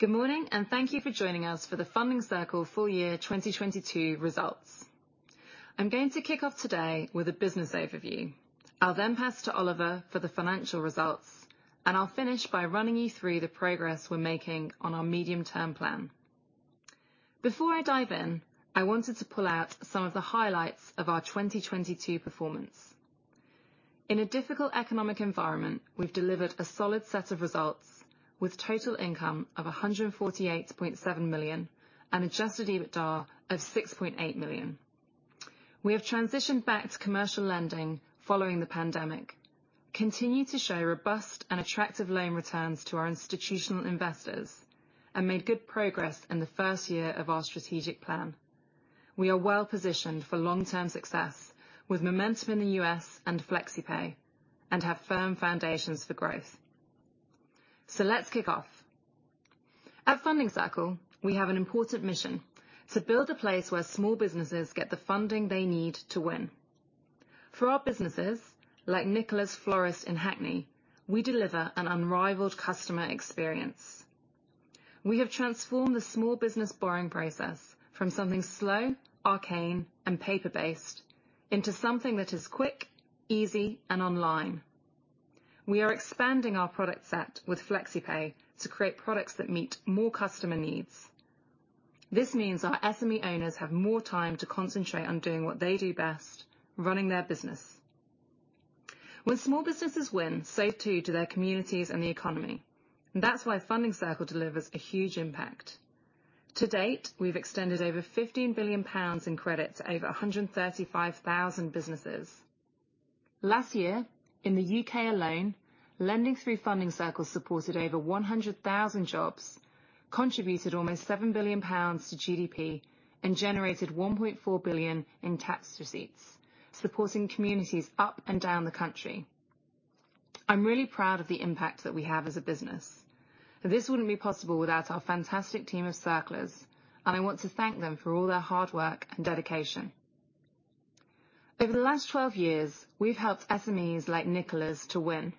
Good morning, thank you for joining us for the Funding Circle full year 2022 results. I'm going to kick off today with a business overview. I'll then pass to Oliver for the financial results, I'll finish by running you through the progress we're making on our medium term plan. Before I dive in, I wanted to pull out some of the highlights of our 2022 performance. In a difficult economic environment, we've delivered a solid set of results with total income of 148.7 million and Adjusted EBITDA of 6.8 million. We have transitioned back to commercial lending following the pandemic, continue to show robust and attractive loan returns to our institutional investors and made good progress in the first year of our strategic plan. We are well-positioned for long-term success with momentum in the US and FlexiPay, and have firm foundations for growth. Let's kick off. At Funding Circle, we have an important mission: to build a place where small businesses get the funding they need to win. For our businesses, like Nicholas Florist in Hackney, we deliver an unrivaled customer experience. We have transformed the small business borrowing process from something slow, arcane, and paper-based into something that is quick, easy, and online. We are expanding our product set with FlexiPay to create products that meet more customer needs. This means our SME owners have more time to concentrate on doing what they do best, running their business. When small businesses win, so too do their communities and the economy. That's why Funding Circle delivers a huge impact. To date, we've extended over 15 billion pounds in credit to over 135,000 businesses. Last year, in the U.K. alone, lending through Funding Circle supported over 100,000 jobs, contributed almost 7 billion pounds to GDP, and generated 1.4 billion in tax receipts, supporting communities up and down the country. I'm really proud of the impact that we have as a business. This wouldn't be possible without our fantastic team of Circlers, and I want to thank them for all their hard work and dedication. Over the last 12 years, we've helped SMEs like Nicholas to win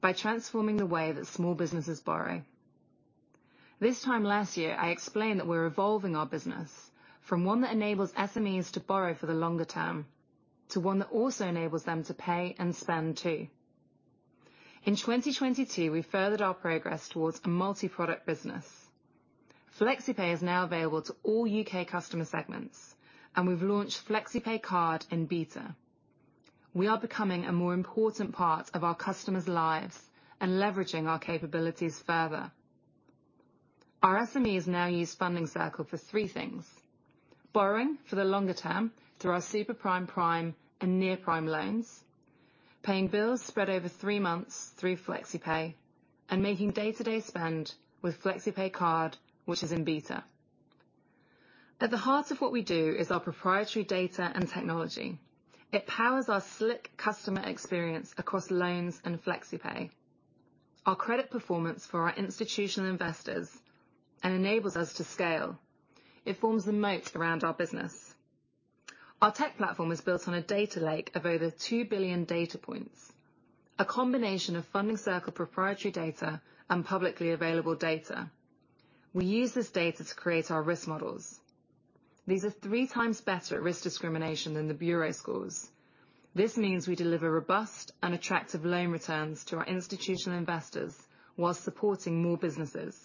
by transforming the way that small businesses borrow. This time last year, I explained that we're evolving our business from one that enables SMEs to borrow for the longer term to one that also enables them to pay and spend, too. In 2022, we furthered our progress towards a multi-product business. FlexiPay is now available to all UK customer segments, and we've launched FlexiPay Card in beta. We are becoming a more important part of our customers' lives and leveraging our capabilities further. Our SMEs now use Funding Circle for 3 things: borrowing for the longer term through our super prime and near-prime loans, paying bills spread over 3 months through FlexiPay, and making day-to-day spend with FlexiPay Card, which is in beta. At the heart of what we do is our proprietary data and technology. It powers our slick customer experience across loans in FlexiPay, our credit performance for our institutional investors, and enables us to scale. It forms the moat around our business. Our tech platform was built on a data lake of over 2 billion data points. A combination of Funding Circle proprietary data and publicly available data. We use this data to create our risk models. These are 3 times better at risk discrimination than the bureau scores. This means we deliver robust and attractive loan returns to our institutional investors while supporting more businesses.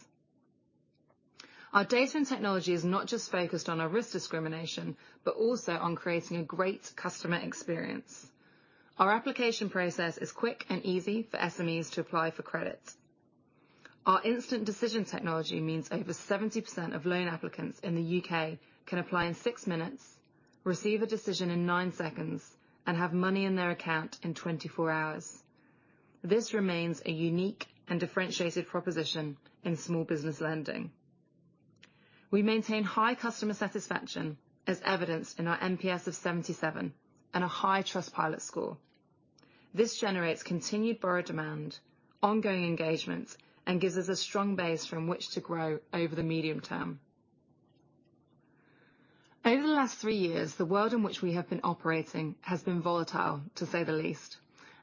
Our data and technology is not just focused on our risk discrimination, but also on creating a great customer experience. Our application process is quick and easy for SMEs to apply for credit. Our Instant Decision technology means over 70% of loan applicants in the U.K. can apply in 6 minutes, receive a decision in 9 seconds, and have money in their account in 24 hours. This remains a unique and differentiated proposition in small business lending. We maintain high customer satisfaction as evidenced in our NPS of 77 and a high Trustpilot score. This generates continued borrower demand, ongoing engagements, and gives us a strong base from which to grow over the medium term. Over the last 3 years, the world in which we have been operating has been volatile, to say the least.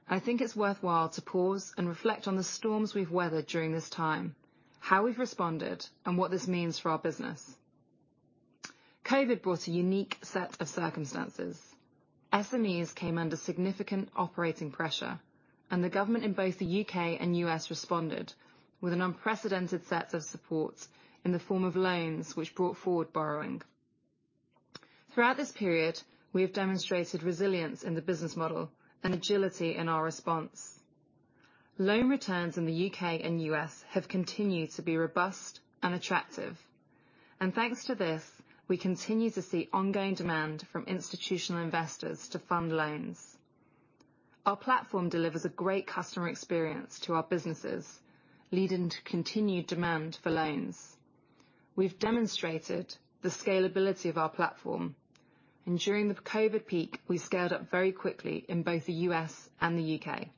I think it's worthwhile to pause and reflect on the storms we've weathered during this time, how we've responded, and what this means for our business. COVID brought a unique set of circumstances. SMEs came under significant operating pressure. The government in both the UK and US responded with an unprecedented set of supports in the form of loans which brought forward borrowing. Throughout this period, we have demonstrated resilience in the business model and agility in our response. Loan returns in the UK and US have continued to be robust and attractive. Thanks to this, we continue to see ongoing demand from institutional investors to fund loans. Our platform delivers a great customer experience to our businesses, leading to continued demand for loans. We've demonstrated the scalability of our platform, and during the COVID peak, we scaled up very quickly in both the U.S. and the U.K.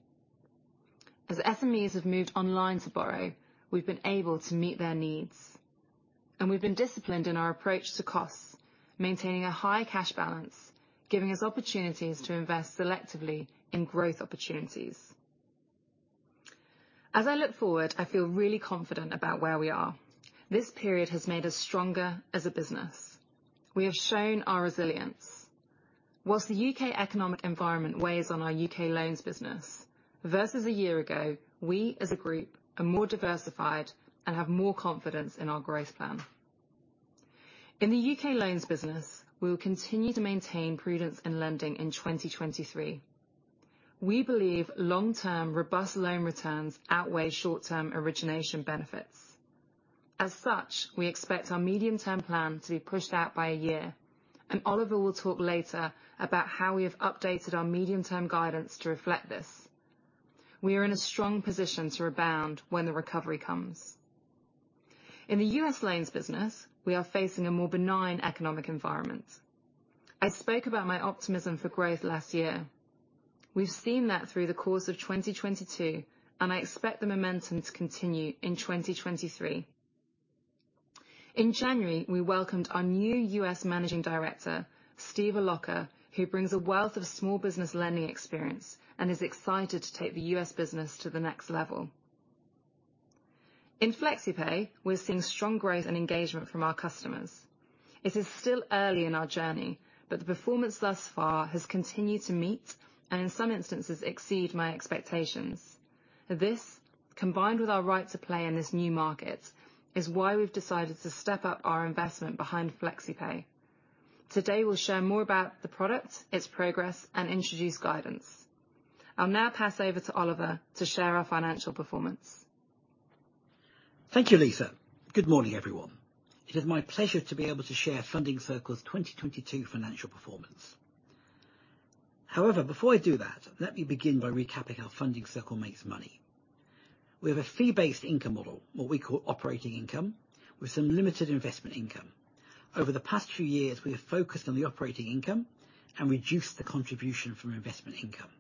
As SMEs have moved online to borrow, we've been able to meet their needs. We've been disciplined in our approach to costs, maintaining a high cash balance, giving us opportunities to invest selectively in growth opportunities. As I look forward, I feel really confident about where we are. This period has made us stronger as a business. We have shown our resilience. Whilst the U.K. economic environment weighs on our U.K. loans business, versus a year ago, we as a group are more diversified and have more confidence in our growth plan. In the UK loans business, we will continue to maintain prudence in lending in 2023. We believe long-term robust loan returns outweigh short-term origination benefits. As such, we expect our medium-term plan to be pushed out by a year. Oliver will talk later about how we have updated our medium-term guidance to reflect this. We are in a strong position to rebound when the recovery comes. In the U.S. loans business, we are facing a more benign economic environment. I spoke about my optimism for growth last year. We've seen that through the course of 2022. I expect the momentum to continue in 2023. In January, we welcomed our new U.S. managing director, Steve Allocca, who brings a wealth of small business lending experience and is excited to take the U.S. business to the next level. In FlexiPay, we're seeing strong growth and engagement from our customers. It is still early in our journey, the performance thus far has continued to meet, and in some instances, exceed my expectations. This, combined with our right to play in this new market, is why we've decided to step up our investment behind FlexiPay. Today, we'll share more about the product, its progress, and introduce guidance. I'll now pass over to Oliver to share our financial performance. Thank you, Lisa. Good morning, everyone. It is my pleasure to be able to share Funding Circle's 2022 financial performance. Before I do that, let me begin by recapping how Funding Circle makes money. We have a fee-based income model, what we call operating income, with some limited investment income. Over the past few years, we have focused on the operating income and reduced the contribution from investment income.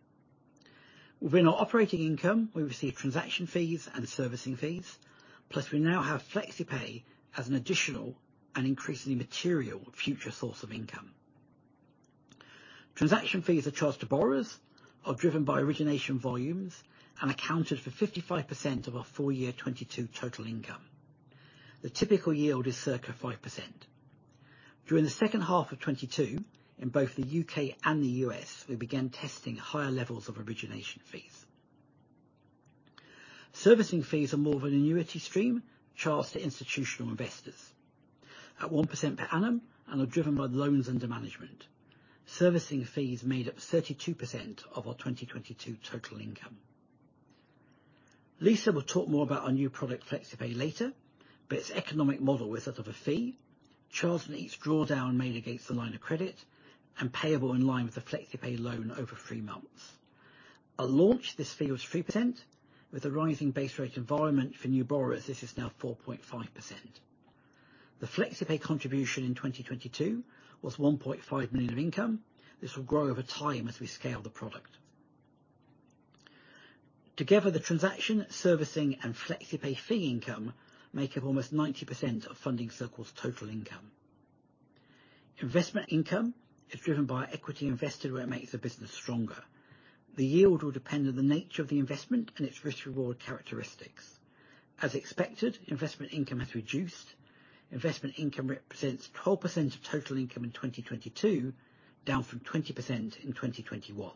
Within our operating income, we receive transaction fees and servicing fees, plus we now have FlexiPay as an additional and increasingly material future source of income. Transaction fees are charged to borrowers, are driven by origination volumes, and accounted for 55% of our full year 2022 total income. The typical yield is circa 5%. During the second half of 2022, in both the U.K. and the U.S., we began testing higher levels of origination fees. Servicing fees are more of an annuity stream charged to institutional investors at 1% per annum and are driven by loans under management. Servicing fees made up 32% of our 2022 total income. Lisa will talk more about our new product, FlexiPay, later, but its economic model is that of a fee charged at each drawdown made against the line of credit and payable in line with a FlexiPay loan over three months. At launch, this fee was 3%. With the rising base rate environment for new borrowers, this is now 4.5%. The FlexiPay contribution in 2022 was 1.5 million of income. This will grow over time as we scale the product. Together, the transaction, servicing, and FlexiPay fee income make up almost 90% of Funding Circle's total income. Investment income is driven by equity invested where it makes the business stronger. The yield will depend on the nature of the investment and its risk-reward characteristics. As expected, investment income has reduced. Investment income represents 12% of total income in 2022, down from 20% in 2021.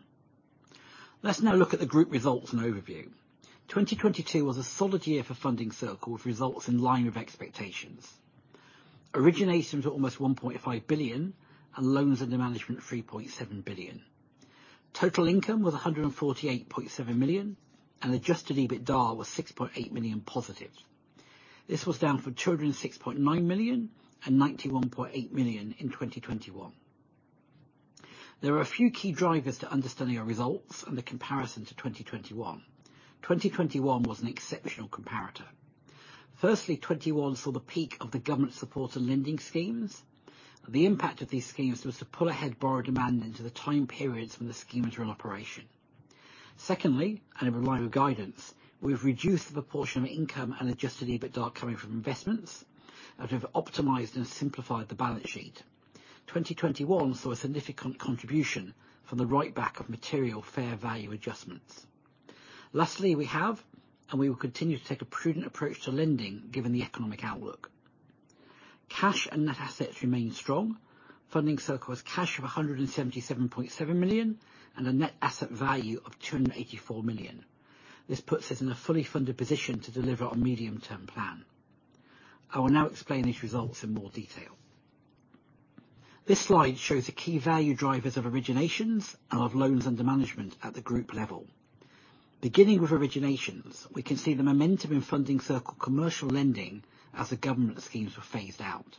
Let's now look at the group results and overview. 2022 was a solid year for Funding Circle, with results in line with expectations. Originations were almost 1.5 billion, and loans under management 3.7 billion. Total income was 148.7 million, and adjusted EBITDA was 6.8 million positive. This was down from 206.9 million and 91.8 million in 2021. There are a few key drivers to understanding our results and the comparison to 2021. 2021 was an exceptional comparator. Firstly, 2021 saw the peak of the government support and lending schemes. The impact of these schemes was to pull ahead borrower demand into the time periods when the schemes were in operation. Secondly, in line with guidance, we've reduced the proportion of income and Adjusted EBITDA coming from investments as we've optimized and simplified the balance sheet. 2021 saw a significant contribution from the writeback of material fair value adjustments. Lastly, we have, and we will continue to take a prudent approach to lending, given the economic outlook. Cash and net assets remain strong. Funding Circle has cash of 177.7 million and a net asset value of 284 million. This puts us in a fully funded position to deliver our medium-term plan. I will now explain these results in more detail. This slide shows the key value drivers of originations and of loans under management at the group level. Beginning with originations, we can see the momentum in Funding Circle commercial lending as the government schemes were phased out.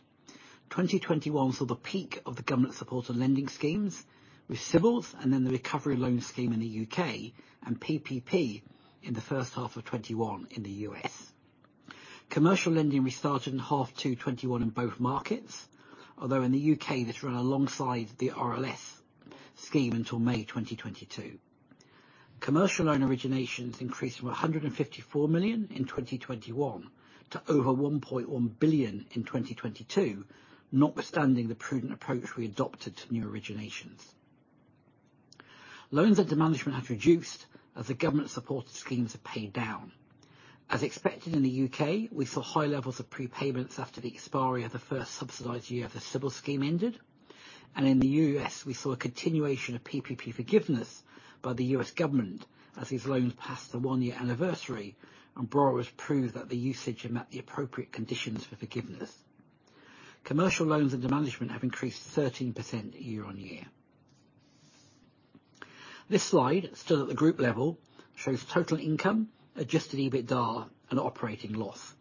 2021 saw the peak of the government support and lending schemes with CBILS and then the Recovery Loan Scheme in the U.K. and PPP in the first half of 2021 in the U.S. Commercial lending restarted in H2 2021 in both markets, although in the U.K., this ran alongside the RLS scheme until May 2022. Commercial loan originations increased from 154 million in 2021 to over 1.1 billion in 2022, notwithstanding the prudent approach we adopted to new originations. Loans under management have reduced as the government-supported schemes have paid down. As expected in the U.K., we saw high levels of prepayments after the expiry of the first subsidized year of the CBILS scheme ended. In the U.S., we saw a continuation of PPP forgiveness by the U.S. government as these loans passed the one-year anniversary, and borrowers proved that the usage had met the appropriate conditions for forgiveness. Commercial loans under management have increased 13% year-over-year. This slide, still at the group level, shows total income, Adjusted EBITDA, and operating loss.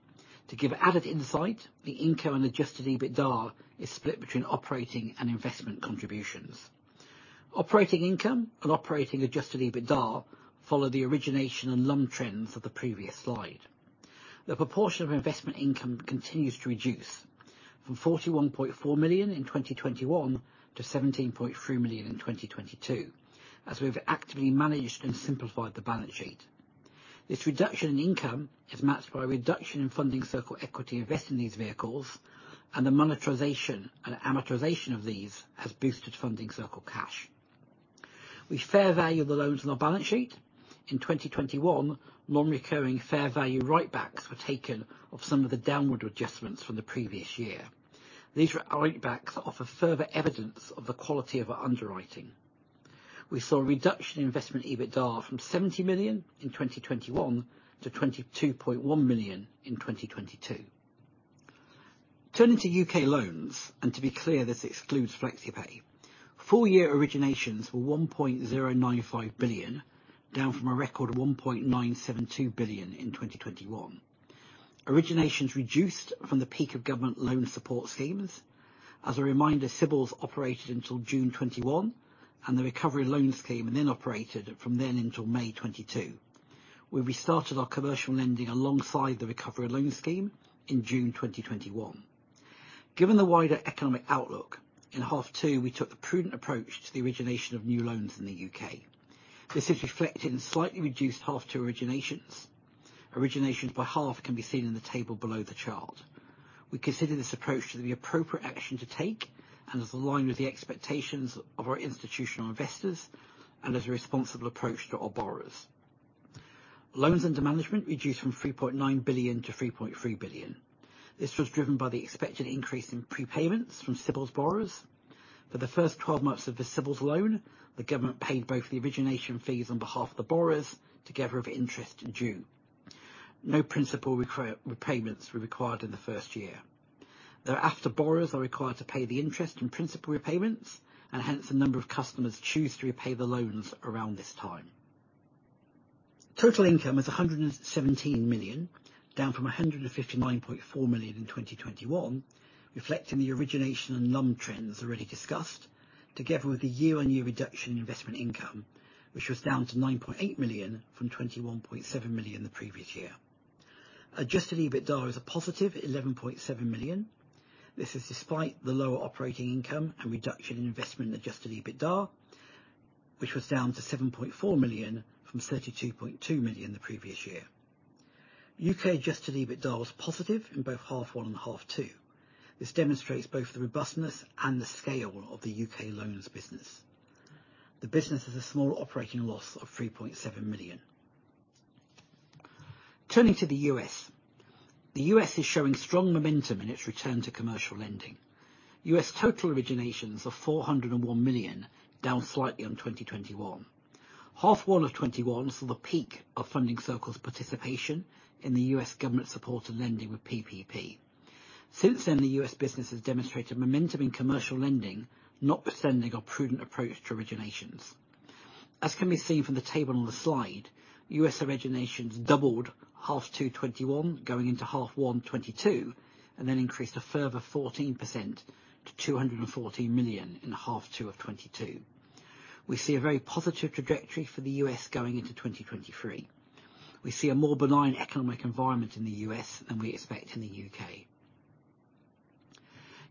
To give added insight, the income and Adjusted EBITDA is split between operating and investment contributions. Operating income and operating Adjusted EBITDA follow the origination and LUM trends of the previous slide. The proportion of investment income continues to reduce from 41.4 million in 2021 to 17.3 million in 2022, as we've actively managed and simplified the balance sheet. This reduction in income is matched by a reduction in Funding Circle equity invested in these vehicles, and the monetization and amortization of these has boosted Funding Circle cash. We fair value the loans on our balance sheet. In 2021, non-recurring fair value write-backs were taken of some of the downward adjustments from the previous year. These write-backs offer further evidence of the quality of our underwriting. We saw a reduction in investment EBITDA from 70 million in 2021 to 22.1 million in 2022. Turning to U.K. loans, to be clear, this excludes FlexiPay. Full year originations were 1.095 billion, down from a record 1.972 billion in 2021. Originations reduced from the peak of government loan support schemes. As a reminder, CBILS operated until June 2021, the Recovery Loan Scheme operated from then until May 2022. We restarted our commercial lending alongside the Recovery Loan Scheme in June 2021. Given the wider economic outlook, in half two we took a prudent approach to the origination of new loans in the U.K. This is reflected in slightly reduced half two originations. Originations by half can be seen in the table below the chart. We consider this approach to the appropriate action to take and is aligned with the expectations of our institutional investors and is a responsible approach to our borrowers. loans under management reduced from 3.9 billion to 3.3 billion. This was driven by the expected increase in prepayments from CBILS borrowers. For the first 12 months of the CBILS loan, the government paid both the origination fees on behalf of the borrowers together with interest due. No principal repayments were required in the first year. Thereafter, borrowers are required to pay the interest and principal repayments, and hence a number of customers choose to repay the loans around this time. Total income was 117 million, down from 159.4 million in 2021, reflecting the origination and LUM trends already discussed, together with the year-on-year reduction in investment income, which was down to 9.8 million from 21.7 million the previous year. Adjusted EBITDA was a positive 11.7 million. This is despite the lower operating income and reduction in investment Adjusted EBITDA, which was down to 7.4 million from 32.2 million the previous year. UK Adjusted EBITDA was positive in both half one and half two. This demonstrates both the robustness and the scale of the UK loans business. The business has a small operating loss of 3.7 million. Turning to the U.S. The U.S. is showing strong momentum in its return to commercial lending. U.S. total originations of $401 million, down slightly on 2021. Half one of 2021 saw the peak of Funding Circle's participation in the U.S. government support and lending with PPP. Since then, the U.S. business has demonstrated momentum in commercial lending, notwithstanding our prudent approach to originations. As can be seen from the table on the slide, U.S. originations doubled half two 2021 going into half one 2022, and then increased a further 14% to $214 million in half two of 2022. We see a very positive trajectory for the U.S. going into 2023. We see a more benign economic environment in the U.S. than we expect in the U.K.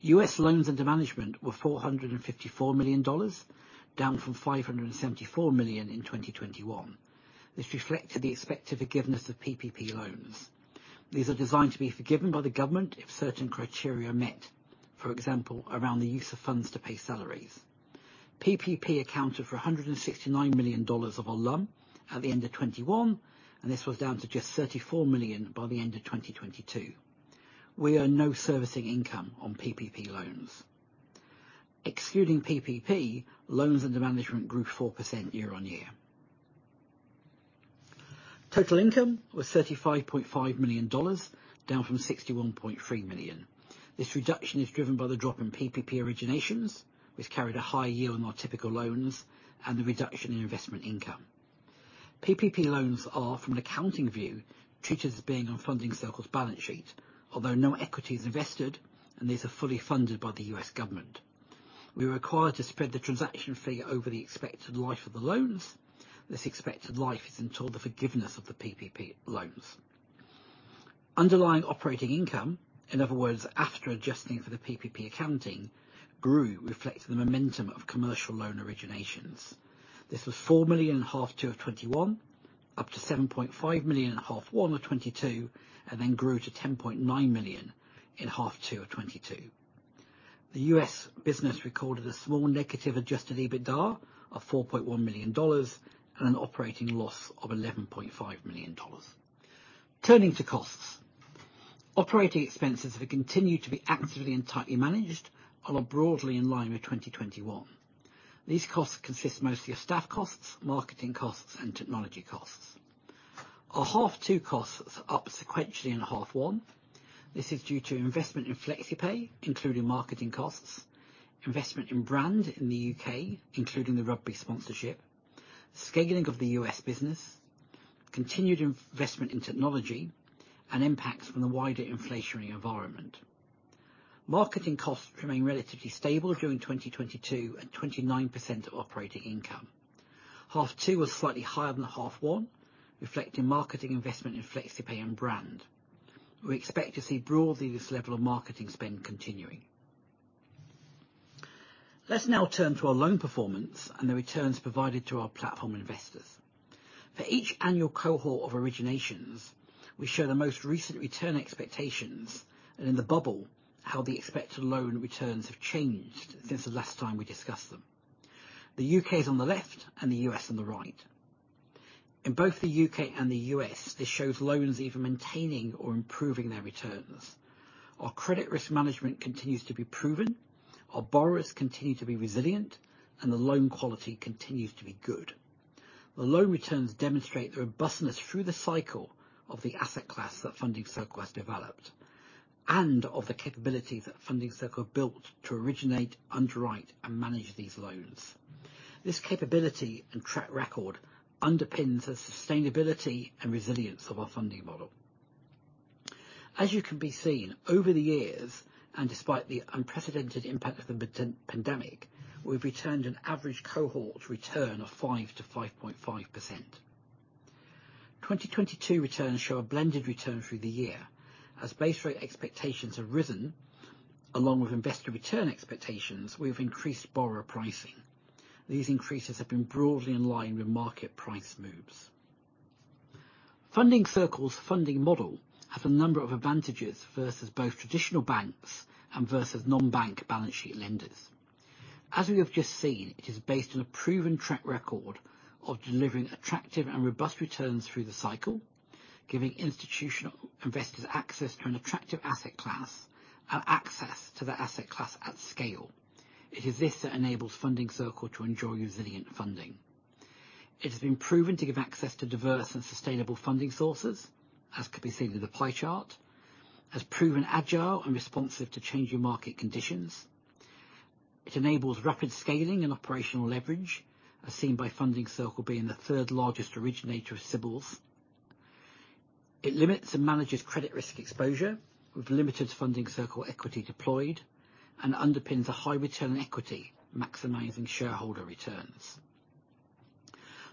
US loans under management were $454 million, down from $574 million in 2021. This reflected the expected forgiveness of PPP loans. These are designed to be forgiven by the government if certain criteria are met, for example, around the use of funds to pay salaries. PPP accounted for $169 million of our LUM at the end of 2021, and this was down to just $34 million by the end of 2022. We earn no servicing income on PPP loans. Excluding PPP, loans under management grew 4% year-on-year. Total income was $35.5 million, down from $61.3 million. This reduction is driven by the drop in PPP originations, which carried a high yield on our typical loans and the reduction in investment income. PPP loans are, from an accounting view, treated as being on Funding Circle's balance sheet, although no equity is invested, and these are fully funded by the U.S. government. We're required to spread the transaction fee over the expected life of the loans. This expected life is until the forgiveness of the PPP loans. Underlying operating income, in other words, after adjusting for the PPP accounting, grew reflecting the momentum of commercial loan originations. This was $4 million in half two of 2021, up to $7.5 million in half one of 2022, grew to $10.9 million in half two of 2022. The U.S. business recorded a small negative adjusted EBITDA of $4.1 million and an operating loss of $11.5 million. Turning to costs. Operating expenses have continued to be actively and tightly managed and are broadly in line with 2021. These costs consist mostly of staff costs, marketing costs, and technology costs. Our half 2 costs are up sequentially in half 1. This is due to investment in FlexiPay, including marketing costs, investment in brand in the UK, including the rugby sponsorship, scaling of the U.S. business, continued investment in technology, and impacts from the wider inflationary environment. Marketing costs remain relatively stable during 2022 at 29% of operating income. Half 2 was slightly higher than half 1, reflecting marketing investment in FlexiPay and brand. We expect to see broadly this level of marketing spend continuing. Let's now turn to our loan performance and the returns provided to our platform investors. For each annual cohort of originations, we show the most recent return expectations, and in the bubble, how the expected loan returns have changed since the last time we discussed them. The UK is on the left and the US on the right. In both the UK and the US, this shows loans either maintaining or improving their returns. Our credit risk management continues to be proven, our borrowers continue to be resilient, and the loan quality continues to be good. The loan returns demonstrate the robustness through the cycle of the asset class that Funding Circle has developed and of the capability that Funding Circle built to originate, underwrite, and manage these loans. This capability and track record underpins the sustainability and resilience of our funding model. As you can be seen, over the years, despite the unprecedented impact of the pandemic, we've returned an average cohort return of 5-5.5%. 2022 returns show a blended return through the year. As base rate expectations have risen, along with investor return expectations, we've increased borrower pricing. These increases have been broadly in line with market price moves. Funding Circle's funding model has a number of advantages versus both traditional banks and versus non-bank balance sheet lenders. As we have just seen, it is based on a proven track record of delivering attractive and robust returns through the cycle, giving institutional investors access to an attractive asset class and access to that asset class at scale. It is this that enables Funding Circle to enjoy resilient funding. It has been proven to give access to diverse and sustainable funding sources, as can be seen in the pie chart, has proven agile and responsive to changing market conditions. It enables rapid scaling and operational leverage, as seen by Funding Circle being the third largest originator of SBICs. It limits and manages credit risk exposure with limited Funding Circle equity deployed and underpins a high return on equity, maximizing shareholder returns.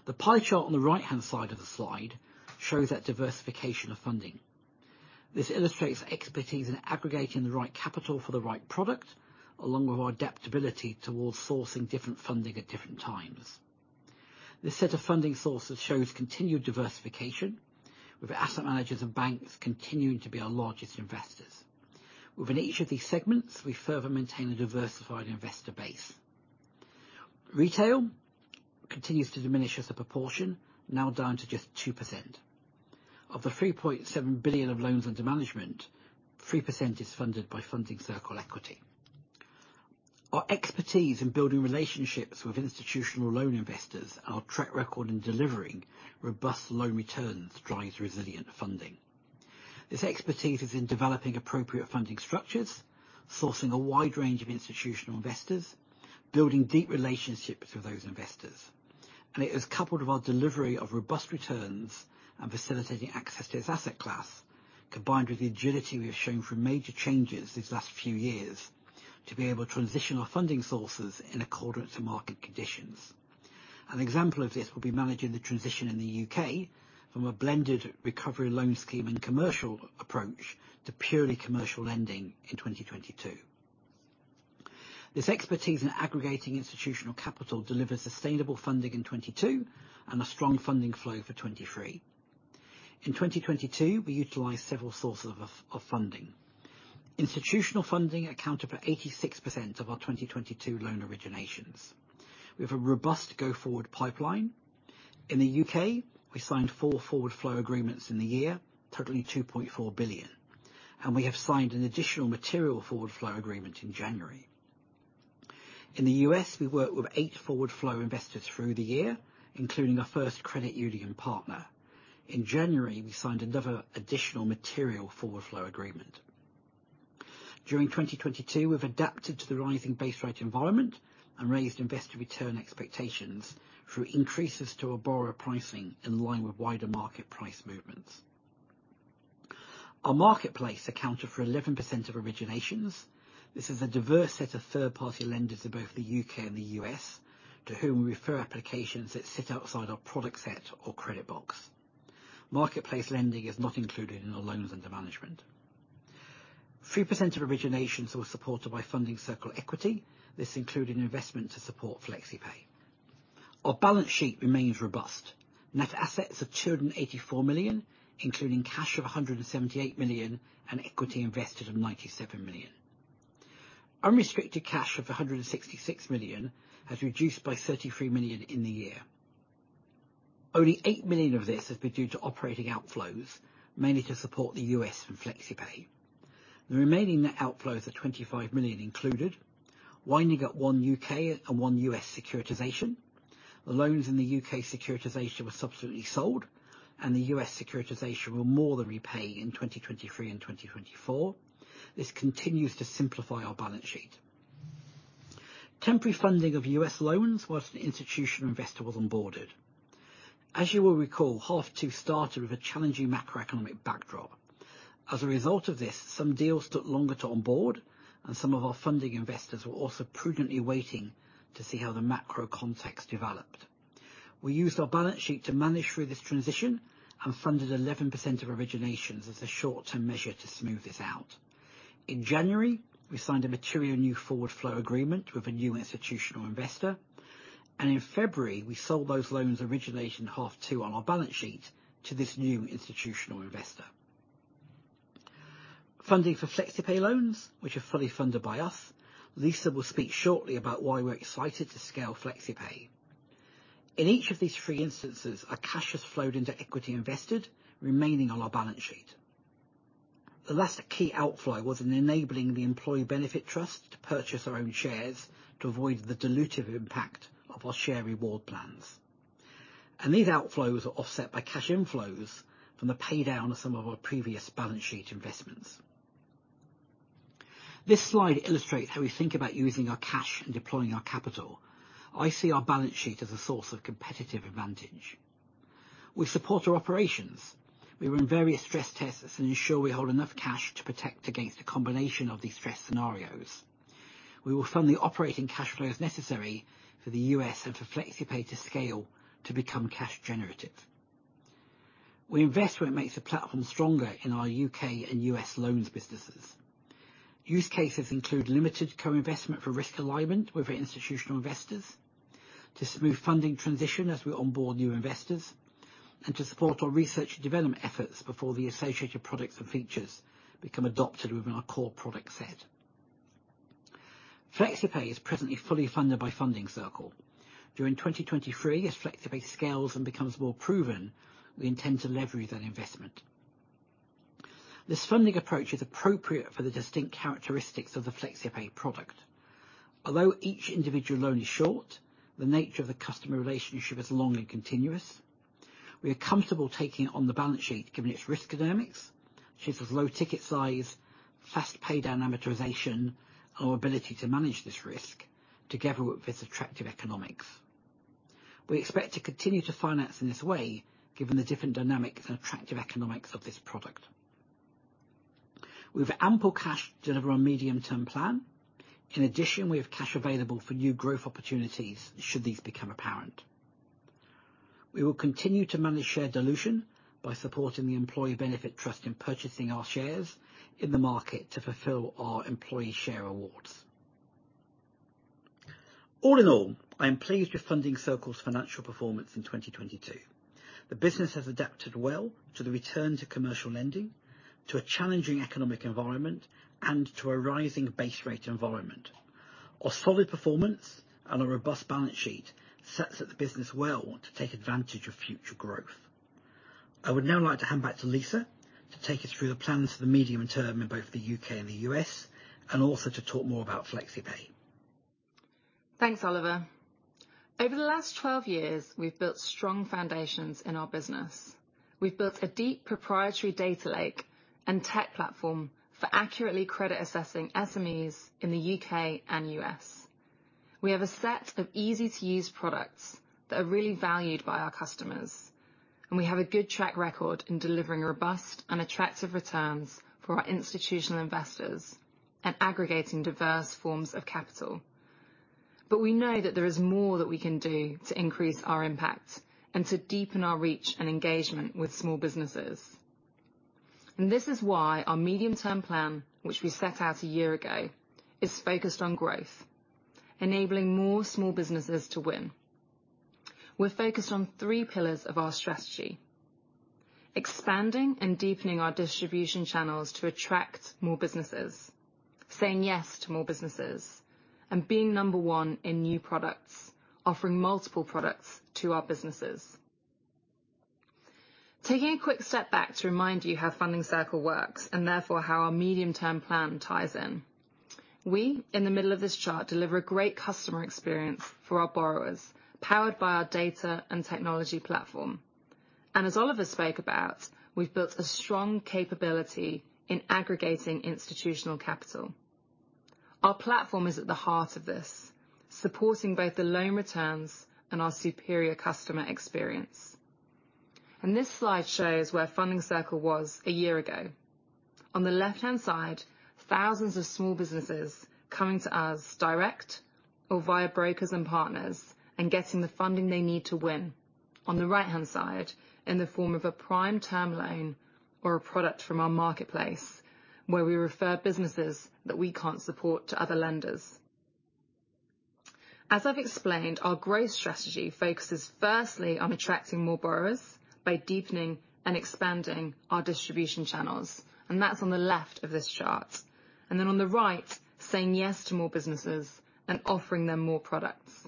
The pie chart on the right-hand side of the slide shows that diversification of funding. This illustrates expertise in aggregating the right capital for the right product, along with our adaptability towards sourcing different funding at different times. This set of funding sources shows continued diversification, with asset managers and banks continuing to be our largest investors. Within each of these segments, we further maintain a diversified investor base. Retail continues to diminish as a proportion, now down to just 2%. Of the 3.7 billion of loans under management, 3% is funded by Funding Circle equity. Our expertise in building relationships with institutional loan investors and our track record in delivering robust loan returns drives resilient funding. This expertise is in developing appropriate funding structures, sourcing a wide range of institutional investors, building deep relationships with those investors. It is coupled with our delivery of robust returns and facilitating access to this asset class, combined with the agility we have shown through major changes these last few years to be able to transition our funding sources in accordance to market conditions. An example of this will be managing the transition in the U.K. from a blended Recovery Loan Scheme and commercial approach to purely commercial lending in 2022. This expertise in aggregating institutional capital delivers sustainable funding in 2022 and a strong funding flow for 2023. In 2022, we utilized several sources of funding. Institutional funding accounted for 86% of our 2022 loan originations. We have a robust go-forward pipeline. In the UK, we signed 4 forward flow agreements in the year, totaling 2.4 billion, and we have signed an additional material forward flow agreement in January. In the US, we worked with 8 forward flow investors through the year, including our first credit union partner. In January, we signed another additional material forward flow agreement. During 2022, we've adapted to the rising base rate environment and raised investor return expectations through increases to our borrower pricing in line with wider market price movements. Our marketplace accounted for 11% of originations. This is a diverse set of third-party lenders in both the U.K. and the U.S., to whom we refer applications that sit outside our product set or credit box. Marketplace lending is not included in the loans under management. Three percent of originations were supported by Funding Circle equity. This included investment to support FlexiPay. Our balance sheet remains robust. Net assets of 284 million, including cash of 178 million, and equity invested of 97 million. Unrestricted cash of 166 million has reduced by 33 million in the year. Only 8 million of this has been due to operating outflows, mainly to support the U.S. from FlexiPay. The remaining net outflows of 25 million included winding up 1 U.K. and 1 U.S. securitisation. The loans in the UK securitisation were substantially sold, and the US securitisation will more than repay in 2023 and 2024. This continues to simplify our balance sheet. Temporary funding of US loans while an institutional investor was onboarded. As you will recall, half two started with a challenging macroeconomic backdrop. As a result of this, some deals took longer to onboard, and some of our funding investors were also prudently waiting to see how the macro context developed. We used our balance sheet to manage through this transition and funded 11% of originations as a short-term measure to smooth this out. In January, we signed a material new forward flow agreement with a new institutional investor, and in February we sold those loans originated in half two on our balance sheet to this new institutional investor. Funding for FlexiPay loans, which are fully funded by us, Lisa will speak shortly about why we're excited to scale FlexiPay. In each of these three instances, our cash has flowed into equity invested, remaining on our balance sheet. The last key outflow was in enabling the employee benefit trust to purchase their own shares to avoid the dilutive impact of our share reward plans. These outflows were offset by cash inflows from the paydown of some of our previous balance sheet investments. This slide illustrates how we think about using our cash and deploying our capital. I see our balance sheet as a source of competitive advantage. We support our operations. We run various stress tests and ensure we hold enough cash to protect against a combination of these stress scenarios. We will fund the operating cash flow as necessary for the US and for FlexiPay to scale to become cash generative. We invest where it makes the platform stronger in our UK and US loans businesses. Use cases include limited co-investment for risk alignment with our institutional investors, to smooth funding transition as we onboard new investors, and to support our research and development efforts before the associated products and features become adopted within our core product set. FlexiPay is presently fully funded by Funding Circle. During 2023, as FlexiPay scales and becomes more proven, we intend to leverage that investment. This funding approach is appropriate for the distinct characteristics of the FlexiPay product. Although each individual loan is short, the nature of the customer relationship is long and continuous. We are comfortable taking it on the balance sheet given its risk dynamics, which is its low ticket size, fast paydown amortization, and our ability to manage this risk together with its attractive economics. We expect to continue to finance in this way, given the different dynamics and attractive economics of this product. We have ample cash to deliver our medium-term plan. In addition, we have cash available for new growth opportunities should these become apparent. We will continue to manage share dilution by supporting the employee benefit trust in purchasing our shares in the market to fulfill our employee share awards. All in all, I am pleased with Funding Circle's financial performance in 2022. The business has adapted well to the return to commercial lending, to a challenging economic environment, and to a rising base rate environment. Our solid performance and our robust balance sheet sets up the business well to take advantage of future growth. I would now like to hand back to Lisa to take us through the plans for the medium term in both the UK and the US, and also to talk more about FlexiPay. Thanks, Oliver. Over the last 12 years, we've built strong foundations in our business. We've built a deep proprietary data lake and tech platform for accurately credit assessing SMEs in the U.K. and U.S. We have a set of easy-to-use products that are really valued by our customers, and we have a good track record in delivering robust and attractive returns for our institutional investors at aggregating diverse forms of capital. We know that there is more that we can do to increase our impact and to deepen our reach and engagement with small businesses. This is why our medium-term plan, which we set out a year ago, is focused on growth, enabling more small businesses to win. We're focused on three pillars of our strategy, expanding and deepening our distribution channels to attract more businesses, saying yes to more businesses, and being number one in new products, offering multiple products to our businesses. Taking a quick step back to remind you how Funding Circle works and therefore how our medium-term plan ties in. We, in the middle of this chart, deliver a great customer experience for our borrowers, powered by our data and technology platform. As Oliver spoke about, we've built a strong capability in aggregating institutional capital. Our platform is at the heart of this, supporting both the loan returns and our superior customer experience. This slide shows where Funding Circle was a year ago. On the left-hand side, thousands of small businesses coming to us direct or via brokers and partners, and getting the funding they need to win on the right-hand side in the form of a prime term loan or a product from our Marketplace, where we refer businesses that we can't support to other lenders. As I've explained, our growth strategy focuses firstly on attracting more borrowers by deepening and expanding our distribution channels, and that's on the left of this chart. On the right, saying yes to more businesses and offering them more products.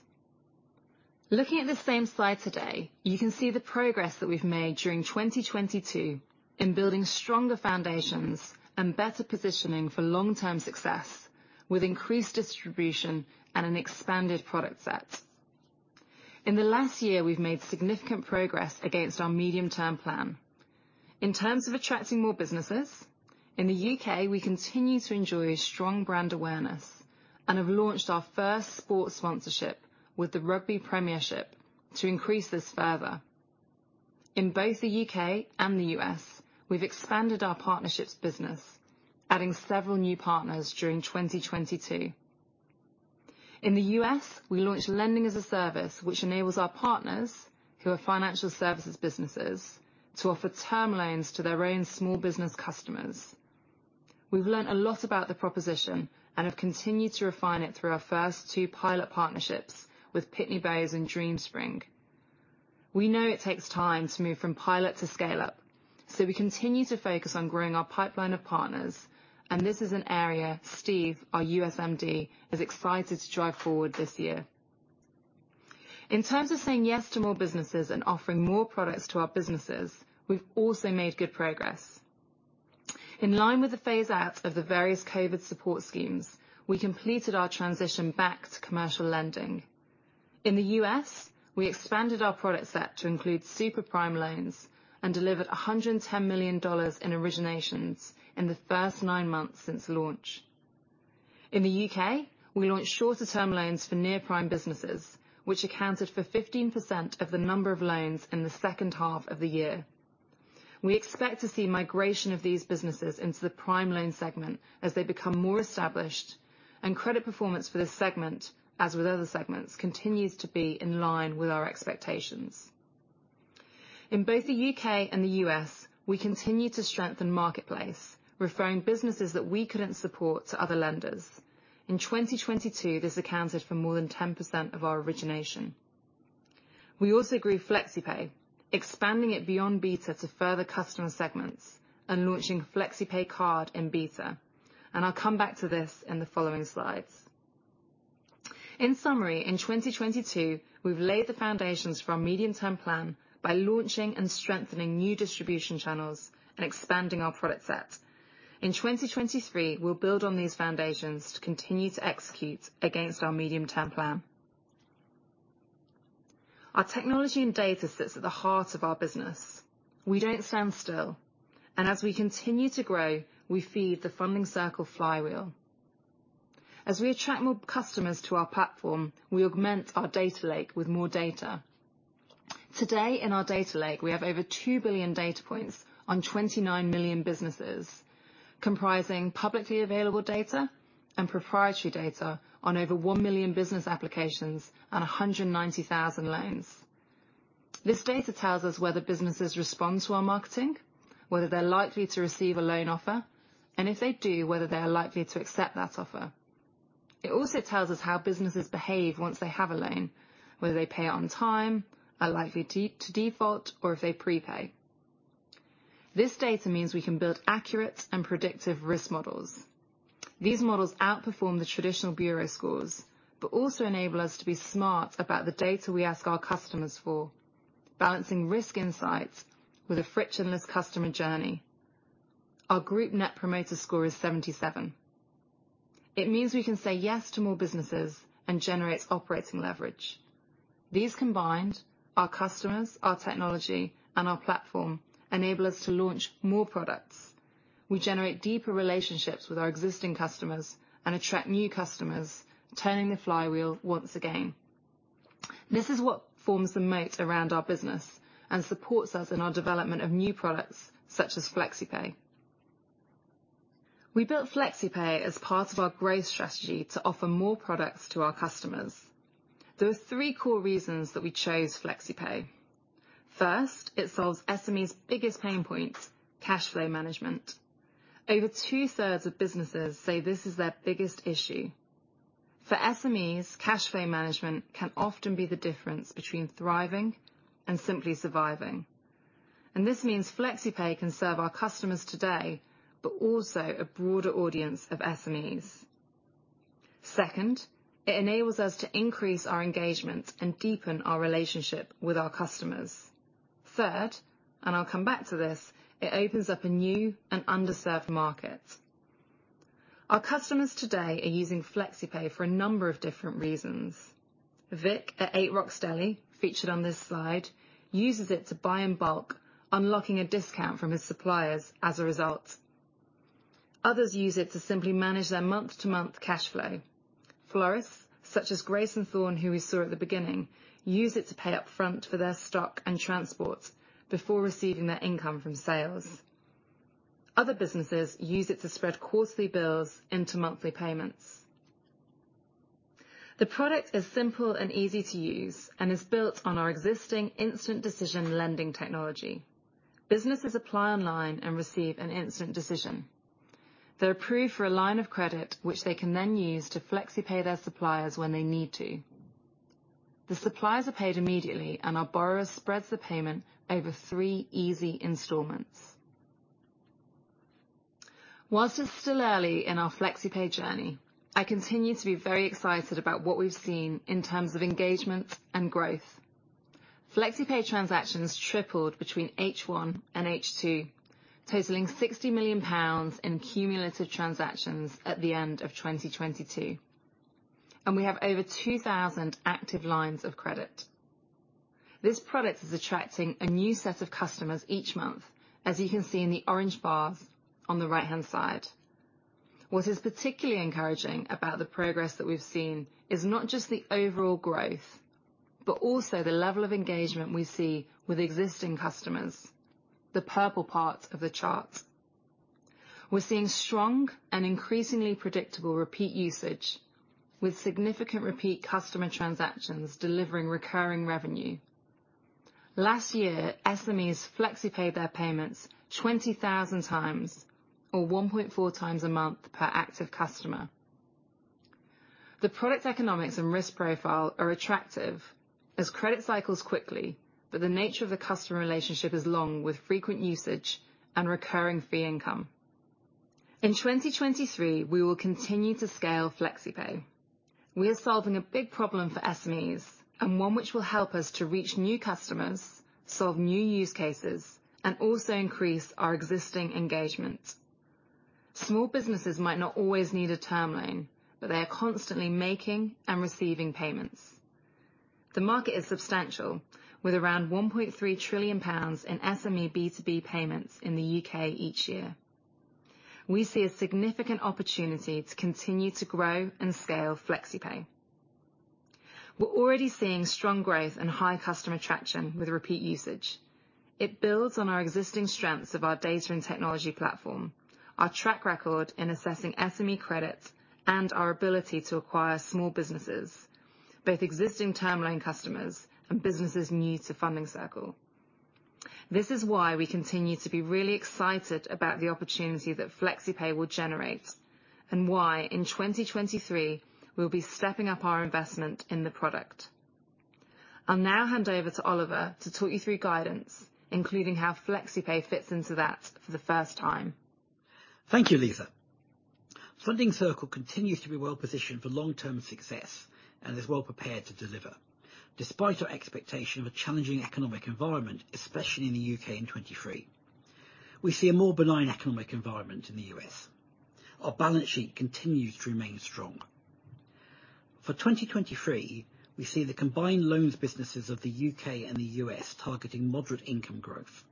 Looking at the same slide today, you can see the progress that we've made during 2022 in building stronger foundations and better positioning for long-term success with increased distribution and an expanded product set. In the last year, we've made significant progress against our medium-term plan. In terms of attracting more businesses, in the U.K. we continue to enjoy strong brand awareness and have launched our first sports sponsorship with Premiership Rugby to increase this further. In both the U.K. and the U.S., we've expanded our partnerships business, adding several new partners during 2022. In the U.S., we launched Lending as a Service, which enables our partners who are financial services businesses to offer term loans to their own small business customers. We've learned a lot about the proposition and have continued to refine it through our first 2 pilot partnerships with Pitney Bowes and DreamSpring. We know it takes time to move from pilot to scale-up, so we continue to focus on growing our pipeline of partners. This is an area Steve, our U.S. MD, is excited to drive forward this year. In terms of saying yes to more businesses and offering more products to our businesses, we've also made good progress. In line with the phase out of the various COVID support schemes, we completed our transition back to commercial lending. In the U.S., we expanded our product set to include super prime loans and delivered $110 million in originations in the first nine months since launch. In the U.K., we launched shorter term loans for near-prime businesses, which accounted for 15% of the number of loans in the second half of the year. We expect to see migration of these businesses into the prime loan segment as they become more established and credit performance for this segment, as with other segments, continues to be in line with our expectations. In both the U.K. and the U.S., we continue to strengthen Marketplace, referring businesses that we couldn't support to other lenders. In 2022, this accounted for more than 10% of our origination. We also grew FlexiPay, expanding it beyond beta to further customer segments and launching FlexiPay card in beta, and I'll come back to this in the following slides. In summary, in 2022, we've laid the foundations for our medium term plan by launching and strengthening new distribution channels and expanding our product set. In 2023, we'll build on these foundations to continue to execute against our medium term plan. Our technology and data sits at the heart of our business. We don't stand still, and as we continue to grow, we feed the Funding Circle flywheel. As we attract more customers to our platform, we augment our data lake with more data. Today in our data lake, we have over 2 billion data points on 29 million businesses, comprising publicly available data and proprietary data on over 1 million business applications and 190,000 loans. This data tells us whether businesses respond to our marketing, whether they're likely to receive a loan offer, and if they do, whether they're likely to accept that offer. It also tells us how businesses behave once they have a loan, whether they pay it on time, are likely to default, or if they prepay. This data means we can build accurate and predictive risk models. These models outperform the traditional bureau scores, but also enable us to be smart about the data we ask our customers for, balancing risk insights with a frictionless customer journey. Our group Net Promoter Score is 77. It means we can say yes to more businesses and generates operating leverage. These combined, our customers, our technology, and our platform enable us to launch more products. We generate deeper relationships with our existing customers and attract new customers, turning the flywheel once again. This is what forms the moat around our business and supports us in our development of new products such as FlexiPay. We built FlexiPay as part of our growth strategy to offer more products to our customers. There are 3 core reasons that we chose FlexiPay. First, it solves SME's biggest pain point, cash flow management. Over two-thirds of businesses say this is their biggest issue. For SMEs, cash flow management can often be the difference between thriving and simply surviving. This means FlexiPay can serve our customers today, but also a broader audience of SMEs. Second, it enables us to increase our engagement and deepen our relationship with our customers. Third, I'll come back to this, it opens up a new and underserved market. Our customers today are using FlexiPay for a number of different reasons. Vik at Eight Rocks Deli, featured on this slide, uses it to buy in bulk, unlocking a discount from his suppliers as a result. Others use it to simply manage their month-to-month cash flow. Florists such as Grace and Thorn, who we saw at the beginning, use it to pay up front for their stock and transport before receiving their income from sales. Other businesses use it to spread costly bills into monthly payments. The product is simple and easy to use and is built on our existing Instant Decision lending technology. Businesses apply online and receive an instant decision. They're approved for a line of credit, which they can then use to FlexiPay their suppliers when they need to. The suppliers are paid immediately and our borrower spreads the payment over three easy installments. Whilst it's still early in our FlexiPay journey, I continue to be very excited about what we've seen in terms of engagement and growth. FlexiPay transactions tripled between H1 and H2, totaling 60 million pounds in cumulative transactions at the end of 2022, and we have over 2,000 active lines of credit. This product is attracting a new set of customers each month, as you can see in the orange bars on the right-hand side. What is particularly encouraging about the progress that we've seen is not just the overall growth, but also the level of engagement we see with existing customers, the purple part of the chart. We're seeing strong and increasingly predictable repeat usage with significant repeat customer transactions delivering recurring revenue. Last year, SMEs FlexiPaid their payments 20,000 times or 1.4 times a month per active customer. The product economics and risk profile are attractive as credit cycles quickly, but the nature of the customer relationship is long, with frequent usage and recurring fee income. In 2023, we will continue to scale FlexiPay. We are solving a big problem for SMEs and one which will help us to reach new customers, solve new use cases, and also increase our existing engagement. Small businesses might not always need a term loan, but they are constantly making and receiving payments. The market is substantial, with around 1.3 trillion pounds in SME B2B payments in the UK each year. We see a significant opportunity to continue to grow and scale FlexiPay. We're already seeing strong growth and high customer traction with repeat usage. It builds on our existing strengths of our data and technology platform, our track record in assessing SME credit, and our ability to acquire small businesses, both existing term loan customers and businesses new to Funding Circle. This is why we continue to be really excited about the opportunity that FlexiPay will generate and why in 2023 we'll be stepping up our investment in the product. I'll now hand over to Oliver to talk you through guidance, including how FlexiPay fits into that for the first time. Thank you, Lisa. Funding Circle continues to be well-positioned for long-term success and is well prepared to deliver despite our expectation of a challenging economic environment, especially in the U.K. in 2023. We see a more benign economic environment in the U.S. Our balance sheet continues to remain strong. For 2023, we see the combined loans businesses of the U.K. and the U.S. targeting moderate income growth,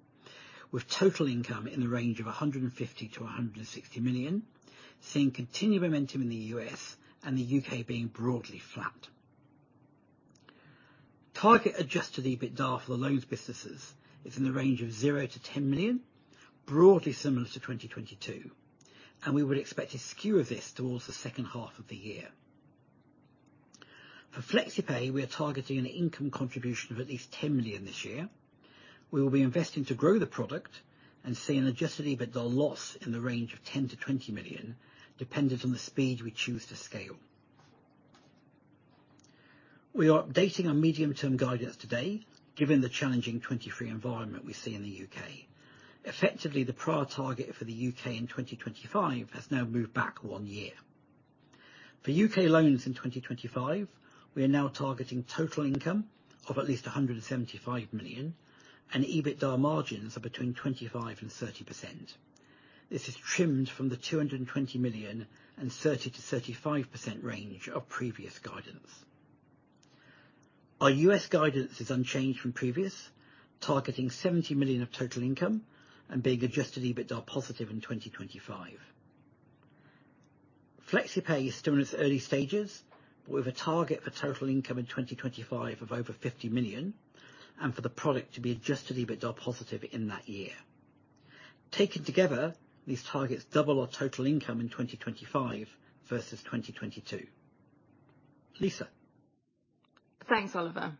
with total income in the range of 150 million-160 million, seeing continued momentum in the U.S. and the U.K. being broadly flat. Target Adjusted EBITDA for the loans businesses is in the range of 0-10 million, broadly similar to 2022. We would expect a skew of this towards the second half of the year. For FlexiPay, we are targeting an income contribution of at least 10 million this year. We will be investing to grow the product and see an Adjusted EBITDA loss in the range of 10 million-20 million, dependent on the speed we choose to scale. We are updating our medium-term guidance today given the challenging 2023 environment we see in the UK. Effectively, the prior target for the UK in 2025 has now moved back one year. For UK loans in 2025, we are now targeting total income of at least 175 million and EBITDA margins of between 25% and 30%. This is trimmed from the 220 million and 30%-35% range of previous guidance. Our US guidance is unchanged from previous, targeting $70 million of total income and being Adjusted EBITDA positive in 2025. FlexiPay is still in its early stages with a target for total income in 2025 of over 50 million and for the product to be Adjusted EBITDA positive in that year. Taken together, these targets double our total income in 2025 versus 2022. Lisa. Thanks, Oliver.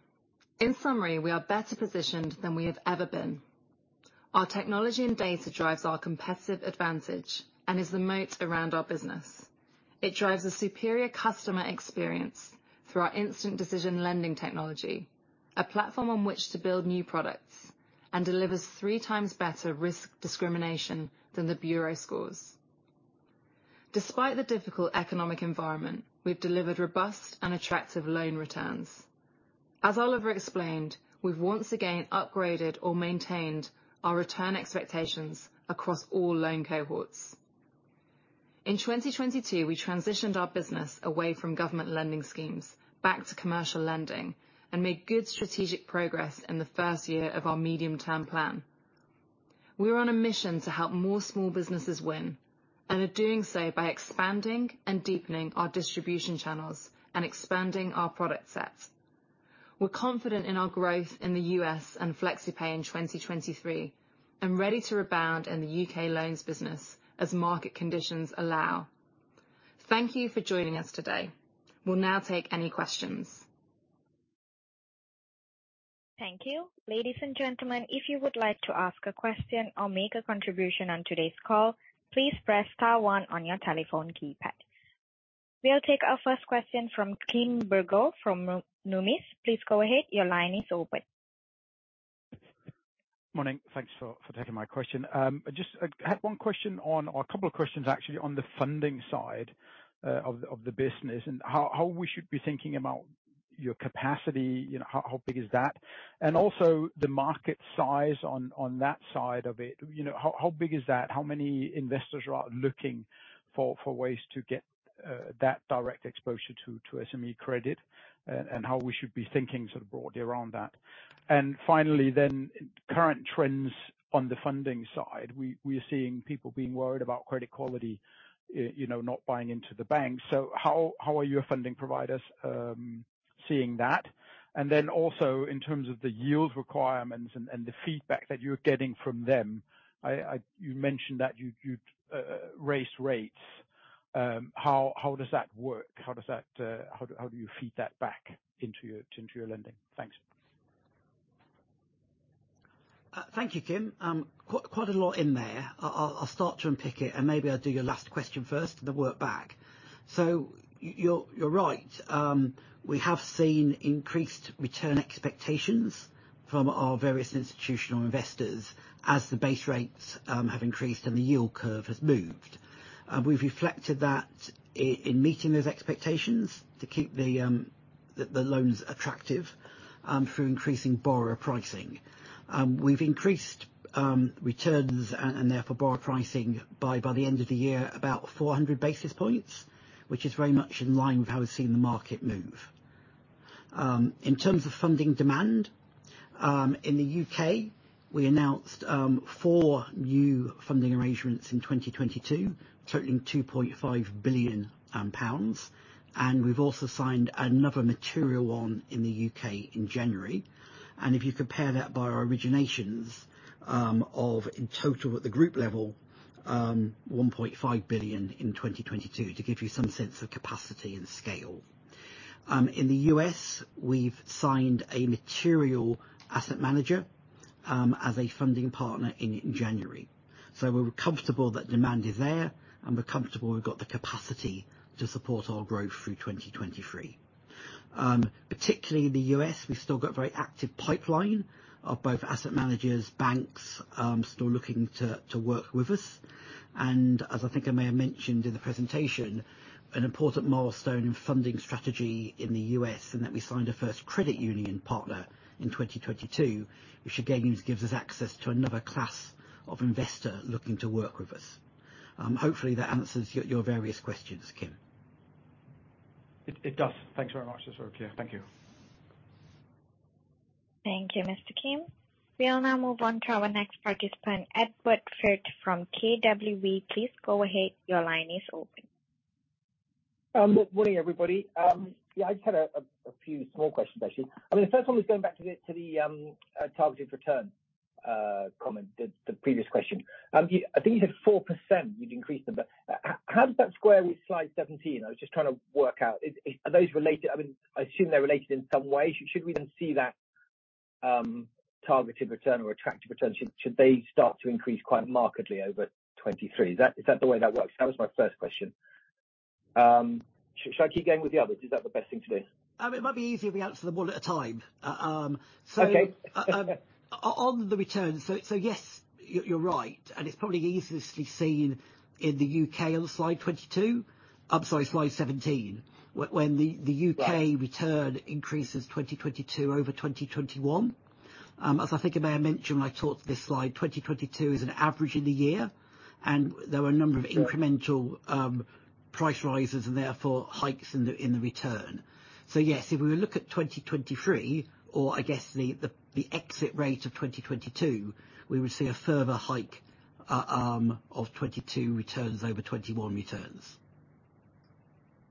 In summary, we are better positioned than we have ever been. Our technology and data drives our competitive advantage and is the moat around our business. It drives a superior customer experience through our Instant Decision technology, a platform on which to build new products, and delivers three times better risk discrimination than the bureau scores. Despite the difficult economic environment, we've delivered robust and attractive loan returns. As Oliver explained, we've once again upgraded or maintained our return expectations across all loan cohorts. In 2022, we transitioned our business away from government lending schemes back to commercial lending and made good strategic progress in the first year of our medium-term plan. We're on a mission to help more small businesses win and are doing so by expanding and deepening our distribution channels and expanding our product set. We're confident in our growth in the US and FlexiPay in 2023, and ready to rebound in the UK loans business as market conditions allow. Thank you for joining us today. We'll now take any questions. Thank you. Ladies and gentlemen, if you would like to ask a question or make a contribution on today's call, please press star 1 on your telephone keypad. We'll take our first question from Kim Bergoe from Numis. Please go ahead. Your line is open. Morning. Thanks for taking my question. just had one question on or a couple of questions actually on the funding side of the business, and how we should be thinking about your capacity, you know, how big is that? Also the market size on that side of it? You know, how big is that? How many investors are out looking for ways to get that direct exposure to SME credit, and how we should be thinking sort of broadly around that? Finally, then current trends on the funding side. We are seeing people being worried about credit quality, you know, not buying into the bank. How are your funding providers seeing that, and then also in terms of the yield requirements and the feedback that you're getting from them? You mentioned that you raised rates. How does that work? How do you feed that back into your lending? Thanks. Thank you, Kim. quite a lot in there. I'll start to unpick it, maybe I'll do your last question first then work back. You're right. we have seen increased return expectations from our various institutional investors as the base rates have increased and the yield curve has moved. we've reflected that in meeting those expectations to keep the loans attractive through increasing borrower pricing. we've increased returns and therefore borrower pricing by the end of the year about 400 basis points, which is very much in line with how we've seen the market move. In terms of funding demand, in the U.K., we announced four new funding arrangements in 2022, totaling GBP 2.5 billion. We've also signed another material one in the UK in January. If you compare that by our originations, of in total at the group level, 1.5 billion in 2022 to give you some sense of capacity and scale. In the US, we've signed a material asset manager, as a funding partner in January. We're comfortable that demand is there, and we're comfortable we've got the capacity to support our growth through 2023. Particularly in the US, we've still got very active pipeline of both asset managers, banks, still looking to work with us. As I think I may have mentioned in the presentation, an important milestone in funding strategy in the U.S. and that we signed a first credit union partner in 2022, which again gives us access to another class of investor looking to work with us. Hopefully, that answers your various questions, Kim. It does. Thanks very much. That's very clear. Thank you. Thank you, Mr. Kim. We'll now move on to our next participant, Edward Firth from KBW. Please go ahead. Your line is open. Morning, everybody. Yeah, I just had a few small questions, actually. I mean, the first one was going back to the targeted return comment, the previous question. I think you said 4% you'd increased them. How does that square with slide 17? I was just trying to work out. Are those related? I mean, I assume they're related in some way. Should we then see that targeted return or attractive return, should they start to increase quite markedly over 23? Is that the way that works? That was my first question. Shall I keep going with the others? Is that the best thing to do? It might be easier if we answer them one at a time. Okay. On the return. Yes, you're right. It's probably easiest to be seen in the UK on slide 22. I'm sorry, slide 17. When the UK- Yeah. -return increases 2022 over 2021. As I think I may have mentioned when I talked to this slide, 2022 is an average of the year, and there were a number of. Sure. -incremental, price rises and therefore hikes in the return. Yes, if we look at 2023 or I guess the exit rate of 2022, we would see a further hike, of 22 returns over 21 returns.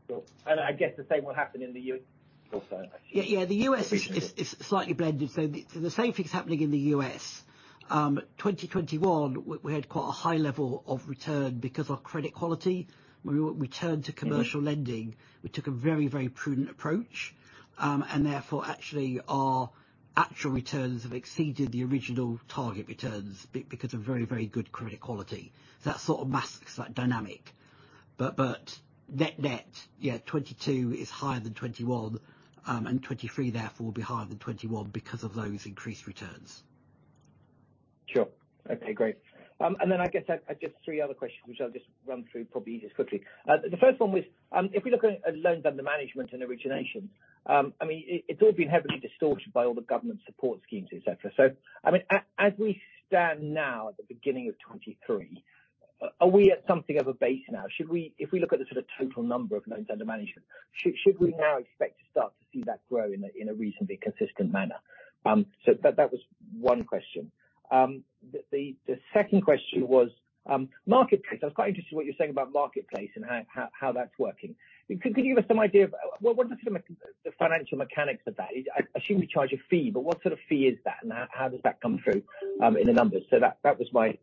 Cool. I guess the same will happen in the U.S. also, I assume. Yeah, yeah. The U.S. is slightly blended. The same thing's happening in the U.S. In 2021, we had quite a high level of return because of credit quality. When we returned to commercial lending, we took a very, very prudent approach. Therefore, actually, our actual returns have exceeded the original target returns because of very, very good credit quality. That sort of masks that dynamic. Net-net, yeah, 22 is higher than 21, and 23 therefore will be higher than 21 because of those increased returns. Sure. Okay, great. And then I guess I've just 3 other questions which I'll just run through probably just quickly. The 1st one was, if we look at loans under management and origination, I mean, it's all been heavily distorted by all the government support schemes, et cetera. I mean as we stand now at the beginning of 2023, are we at something of a base now? If we look at the sort of total number of loans under management, should we now expect to start to see that grow in a reasonably consistent manner? That, that was 1 question. The 2nd question was, Marketplace. I was quite interested in what you're saying about Marketplace and how that's working. Could you give us some idea of what are the sort of the financial mechanics of that? I assume you charge a fee, but what sort of fee is that and how does that come through in the numbers? That, that was my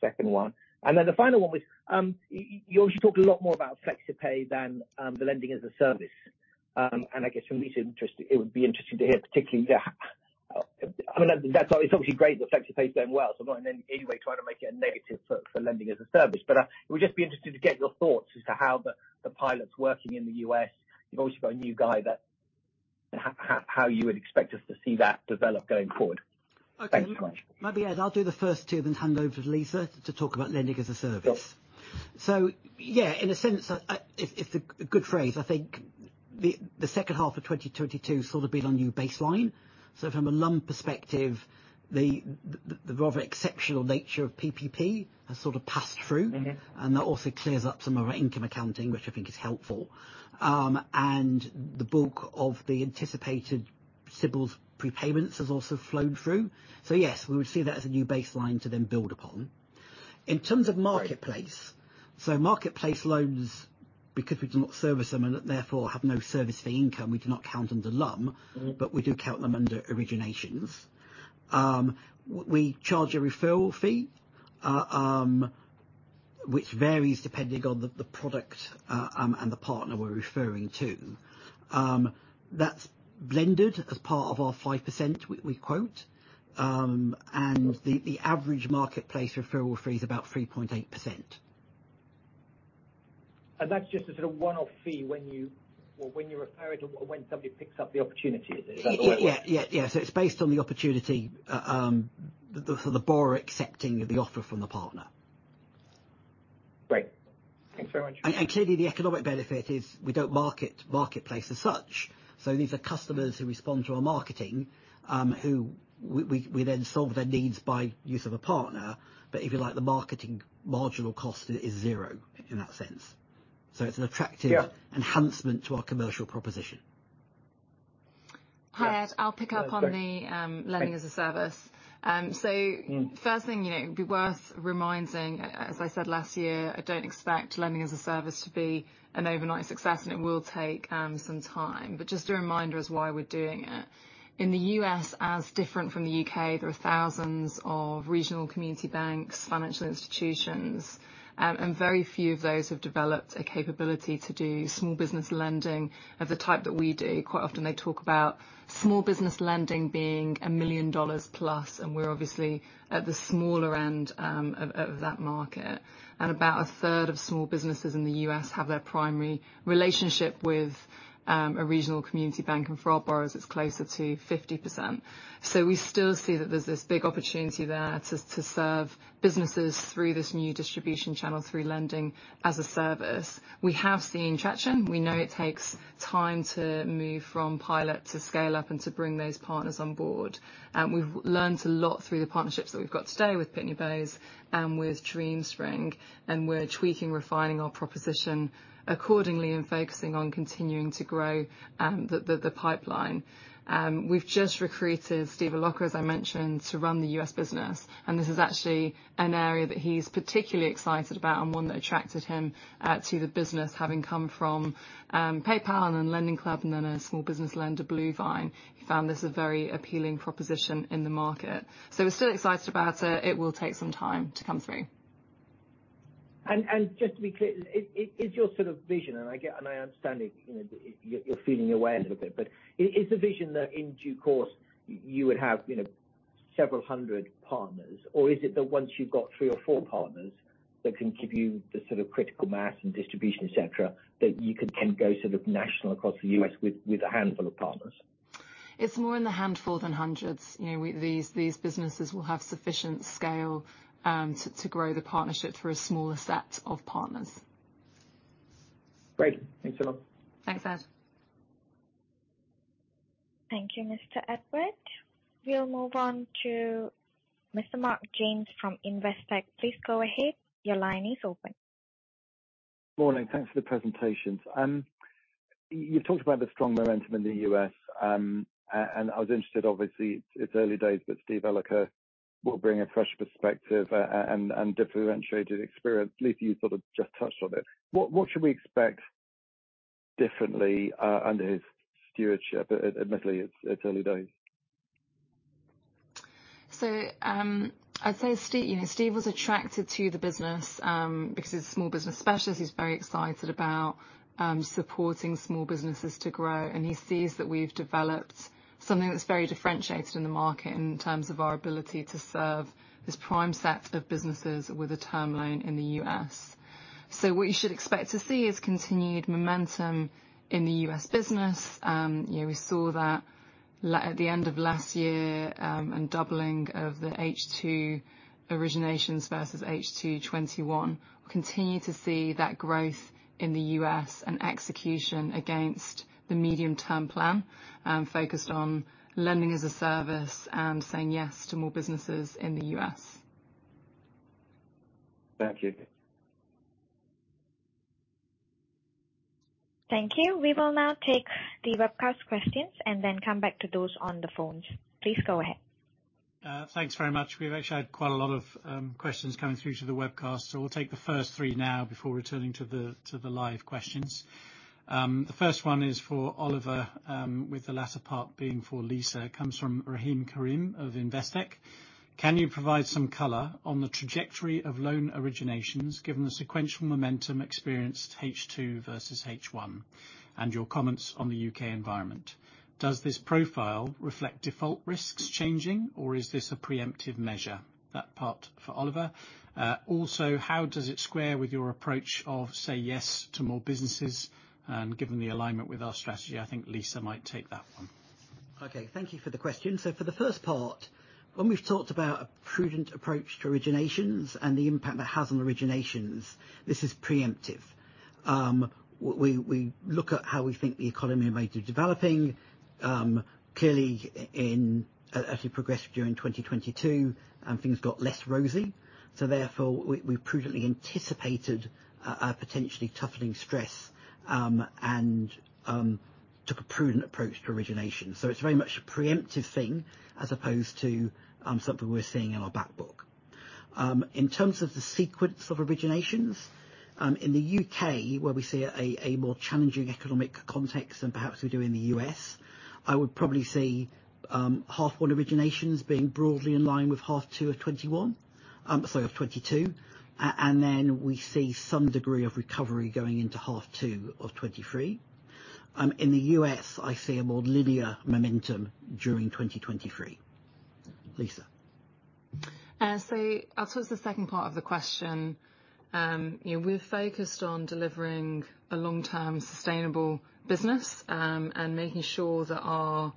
second one. Then the final one was, you obviously talked a lot more about FlexiPay than the Lending as a Service. And I guess from me it's interesting, it would be interesting to hear particularly that. I mean, that's how it's obviously great that FlexiPay is going well, so I'm not in any way trying to make it a negative for Lending as a Service. It would just be interesting to get your thoughts as to how the pilot's working in the U.S. You've obviously got a new guy that... How you would expect us to see that develop going forward. Okay. Thanks so much. Maybe I'll do the first 2, then hand over to Lisa to talk about Lending as a Service. Yep. Yeah, in a sense, it's a good phrase. I think the second half of 2022 sort of been our new baseline. From a LUM perspective, the rather exceptional nature of PPP has sort of passed through. Mm-hmm. That also clears up some of our income accounting, which I think is helpful. The bulk of the anticipated CBILS prepayments has also flowed through. Yes, we would see that as a new baseline to then build upon. In terms of Marketplace. Marketplace loans, because we do not service them and therefore have no service fee income, we do not count them to LUM. Mm-hmm. We do count them under originations. We charge a referral fee, which varies depending on the product and the partner we're referring to. That's blended as part of our 5% we quote, and the average Marketplace referral fee is about 3.8%. That's just a sort of one-off fee when you refer it or when somebody picks up the opportunity. Is that right? Yeah. Yeah. Yeah. It's based on the opportunity, for the borrower accepting the offer from the partner. Great. Thanks very much. Clearly the economic benefit is we don't market Marketplace as such. These are customers who respond to our marketing, who we then solve their needs by use of a partner. If you like, the marketing marginal cost is zero in that sense. It's an attractive. Yeah. enhancement to our commercial proposition. Yeah. Hi, Ed. I'll pick up on the. Thanks. Lending as a Service. First thing you know, it'd be worth reminding, as I said last year, I don't expect Lending as a Service to be an overnight success and it will take some time. Just a reminder as why we're doing it. In the U.S., as different from the U.K., there are thousands of regional community banks, financial institutions, and very few of those have developed a capability to do small business lending of the type that we do. Quite often they talk about small business lending being $1 million plus, and we're obviously at the smaller end of that market. About a third of small businesses in the U.S. have their primary relationship with a regional community bank, and for our borrowers it's closer to 50%. We still see that there's this big opportunity there to serve businesses through this new distribution channel, through Lending as a Service. We have seen traction. We know it takes time to move from pilot to scale up and to bring those partners on board. We've learned a lot through the partnerships that we've got today with Pitney Bowes and with DreamSpring, and we're tweaking, refining our proposition accordingly and focusing on continuing to grow the pipeline. We've just recruited Steve Ellerker, as I mentioned, to run the U.S. business, and this is actually an area that he's particularly excited about and one that attracted him to the business. Having come from PayPal and then LendingClub and then a small business lender, BlueVine, he found this a very appealing proposition in the market. We're still excited about it. It will take some time to come through. Just to be clear, is your sort of vision, I understand it, you know, you're feeling your way a little bit. Is the vision that in due course you would have, you know, several hundred partners? Or is it that once you've got 3 or 4 partners that can give you the sort of critical mass and distribution, et cetera, that you can go sort of national across the U.S. with a handful of partners? It's more in the handful than hundreds. You know, these businesses will have sufficient scale to grow the partnership through a smaller set of partners. Great. Thanks a lot. Thanks, Ed. Thank you, Mr. Edward. We'll move on to Mr. Mark James from Investec. Please go ahead. Your line is open. Morning. Thanks for the presentations. You've talked about the strong momentum in the U.S., and I was interested obviously it's early days, but Steve Ellerker will bring a fresh perspective and differentiated experience. Lisa, you sort of just touched on it. What, what should we expect differently, under his stewardship? Admittedly, it's early days. I'd say Steve, you know, Steve was attracted to the business because he's a small business specialist. He's very excited about supporting small businesses to grow. He sees that we've developed something that's very differentiated in the market in terms of our ability to serve this prime set of businesses with a term loan in the U.S. What you should expect to see is continued momentum in the U.S. business. You know, we saw that at the end of last year in doubling of the H2 originations versus H2 21. We'll continue to see that growth in the U.S. and execution against the medium-term plan focused on Lending as a Service and saying yes to more businesses in the U.S. Thank you. Thank you. We will now take the webcast questions and then come back to those on the phones. Please go ahead. Thanks very much. We've actually had quite a lot of questions coming through to the webcast. We'll take the first three now before returning to the, to the live questions. The first one is for Oliver, with the latter part being for Lisa. It comes from Rahim Karim of Investec. Can you provide some color on the trajectory of loan originations, given the sequential momentum experienced H2 versus H1, and your comments on the U.K. environment? Does this profile reflect default risks changing or is this a preemptive measure? That part for Oliver. Also, how does it square with your approach of say yes to more businesses and given the alignment with our strategy, I think Lisa might take that one. Okay. Thank you for the question. For the first part, when we've talked about a prudent approach to originations and the impact that has on originations, this is preemptive. We look at how we think the economy may be developing, clearly as we progressed during 2022 and things got less rosy, therefore we prudently anticipated a potentially toughening stress, and took a prudent approach to origination. It's very much a preemptive thing as opposed to something we're seeing in our back book. In terms of the sequence of originations, in the U.K., where we see a more challenging economic context than perhaps we do in the U.S., I would probably say, half one originations being broadly in line with half two of 2021, of 2022, and then we see some degree of recovery going into half two of 2023. In the U.S., I see a more linear momentum during 2023. Lisa. I'll take the second part of the question. You know, we're focused on delivering a long-term sustainable business, and making sure that our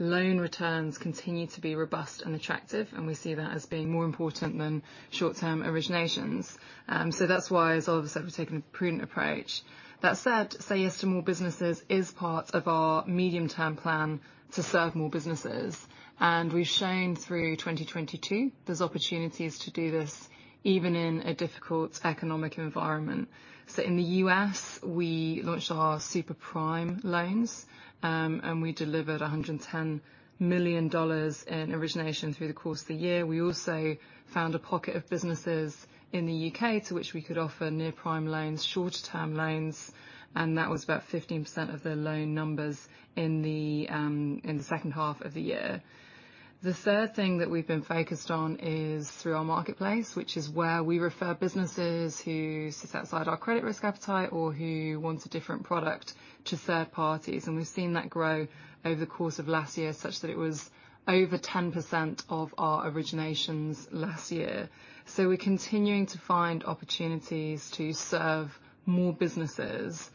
loan returns continue to be robust and attractive, and we see that as being more important than short-term originations. That's why, as Oliver said, we've taken a prudent approach. That said, say yes to more businesses is part of our medium-term plan to serve more businesses. We've shown through 2022, there's opportunities to do this even in a difficult economic environment. In the U.S., we launched our super prime loans, and we delivered $110 million in origination through the course of the year. We also found a pocket of businesses in the UK to which we could offer near prime loans, shorter term loans, and that was about 15% of the loan numbers in the second half of the year. The third thing that we've been focused on is through our marketplace, which is where we refer businesses who sit outside our credit risk appetite or who want a different product to third parties. We've seen that grow over the course of last year, such that it was over 10% of our originations last year. We're continuing to find opportunities to serve more businesses.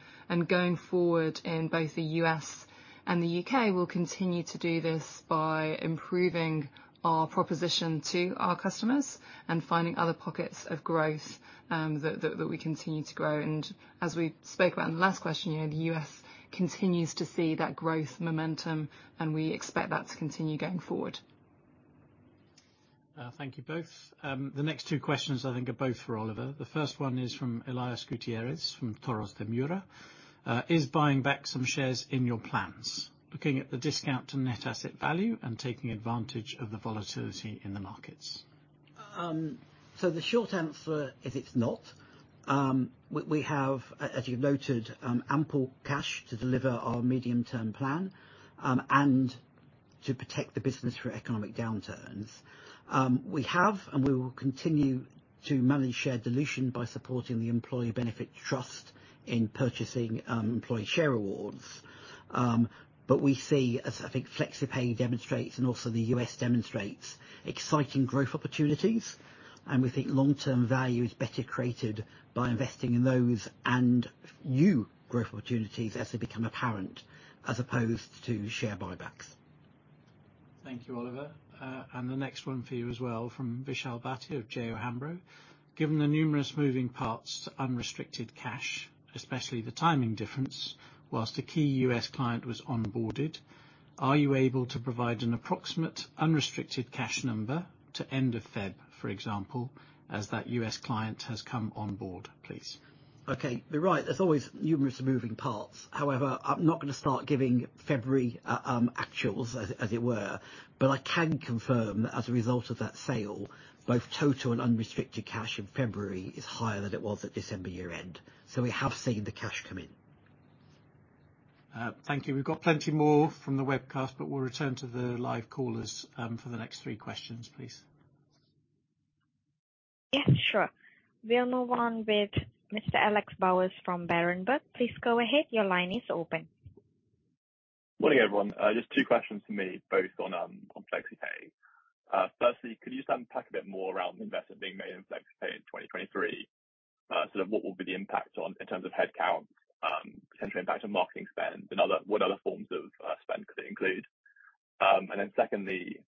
Going forward in both the US and the UK, we'll continue to do this by improving our proposition to our customers and finding other pockets of growth that we continue to grow. As we spoke about in the last question, you know, the U.S. continues to see that growth momentum, and we expect that to continue going forward. Thank you both. The next two questions I think are both for Oliver. The first one is from Elias Gutierrez, from uncertain. Is buying back some shares in your plans? Looking at the discount to net asset value and taking advantage of the volatility in the markets. The short answer is it's not. We have, as you noted, ample cash to deliver our medium-term plan, and to protect the business through economic downturns. We have, and we will continue to manage share dilution by supporting the employee benefit trust in purchasing employee share awards. We see as, I think, FlexiPay demonstrates, and also the U.S. demonstrates, exciting growth opportunities, and we think long-term value is better created by investing in those and new growth opportunities as they become apparent, as opposed to share buybacks. Thank you, Oliver. The next one for you as well from Vishal Bhatia of J O Hambro, given the numerous moving parts to unrestricted cash, especially the timing difference, whilst a key U.S. client was onboarded, are you able to provide an approximate unrestricted cash number to end of February, for example, as that U.S. client has come on board, please? Okay. You're right. There's always numerous moving parts. I'm not gonna start giving February actuals as it were, but I can confirm that as a result of that sale, both total and unrestricted cash in February is higher than it was at December year-end. We have seen the cash come in. Thank you. We've got plenty more from the webcast. We'll return to the live callers for the next three questions, please. Yes, sure. We'll move on with Mr. Alexander Bowers from Berenberg. Please go ahead. Your line is open. Morning, everyone. Just two questions for me, both on FlexiPay. Firstly, could you just unpack a bit more around the investment being made in FlexiPay in 2023? What will be the impact in terms of headcount, potential impact on marketing spend and what other forms of spend could it include? Secondly,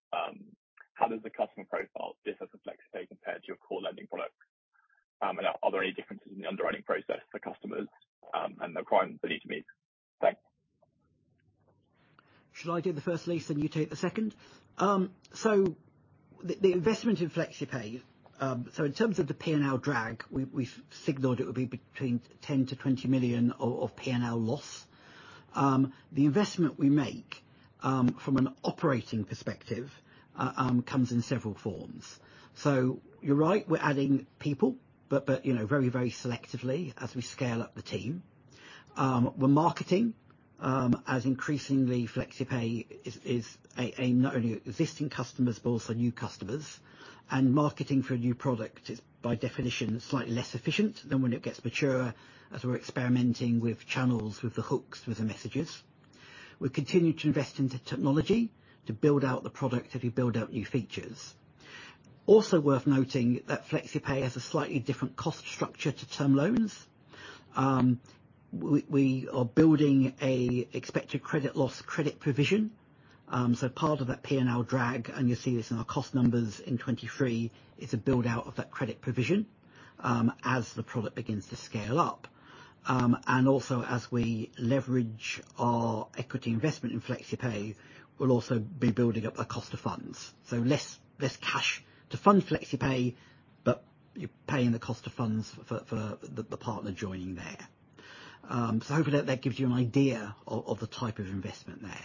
how does the customer profile differ for FlexiPay compared to your core lending products? Are there any differences in the underwriting process for customers and the requirements they need to meet? Thanks. Shall I do the first, Lisa, and you take the second? The investment in FlexiPay, so in terms of the P&L drag, we signaled it would be between 10 million-20 million of P&L loss. The investment we make from an operating perspective comes in several forms. You're right, we're adding people, you know, very selectively as we scale up the team. We're marketing as increasingly FlexiPay is not only existing customers but also new customers. Marketing for a new product is, by definition, slightly less efficient than when it gets maturer, as we're experimenting with channels, with the hooks, with the messages. We continue to invest into technology to build out the product as we build out new features. Also worth noting that FlexiPay has a slightly different cost structure to term loans. We are building a expected credit loss credit provision, so part of that P&L drag, and you'll see this in our cost numbers in 2023, is a build-out of that credit provision, as the product begins to scale up. Also as we leverage our equity investment in FlexiPay, we'll also be building up a cost of funds. Less cash to fund FlexiPay, but you're paying the cost of funds for the partner joining there. Hopefully that gives you an idea of the type of investment there.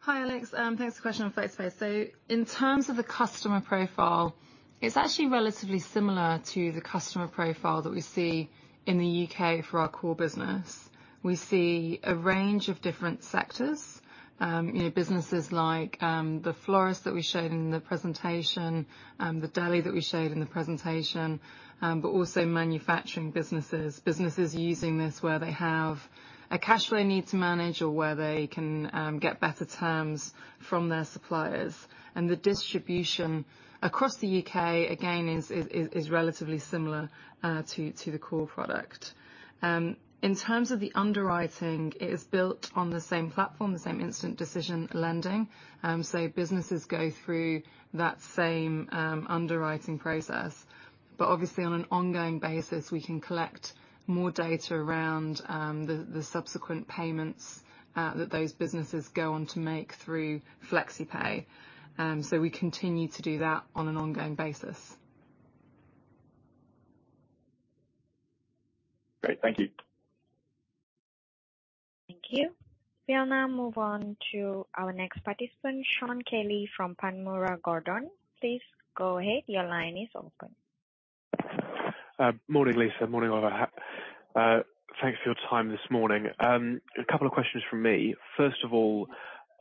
Hi, Alex. Thanks for the question on FlexiPay. In terms of the customer profile, it's actually relatively similar to the customer profile that we see in the U.K. for our core business. We see a range of different sectors, you know, businesses like the florist that we showed in the presentation, the deli that we showed in the presentation, but also manufacturing businesses. Businesses using this where they have a cash flow need to manage or where they can get better terms from their suppliers. The distribution across the U.K., again, is relatively similar to the core product. In terms of the underwriting, it is built on the same platform, the same instant decision lending. Businesses go through that same underwriting process. Obviously on an ongoing basis, we can collect more data around the subsequent payments that those businesses go on to make through FlexiPay. We continue to do that on an ongoing basis. Great. Thank you. Thank you. We'll now move on to our next participant, Sean Kelly from Panmure Gordon. Please go ahead. Your line is open. Morning, Lisa. Morning, Oliver. Thanks for your time this morning. A couple of questions from me. First of all,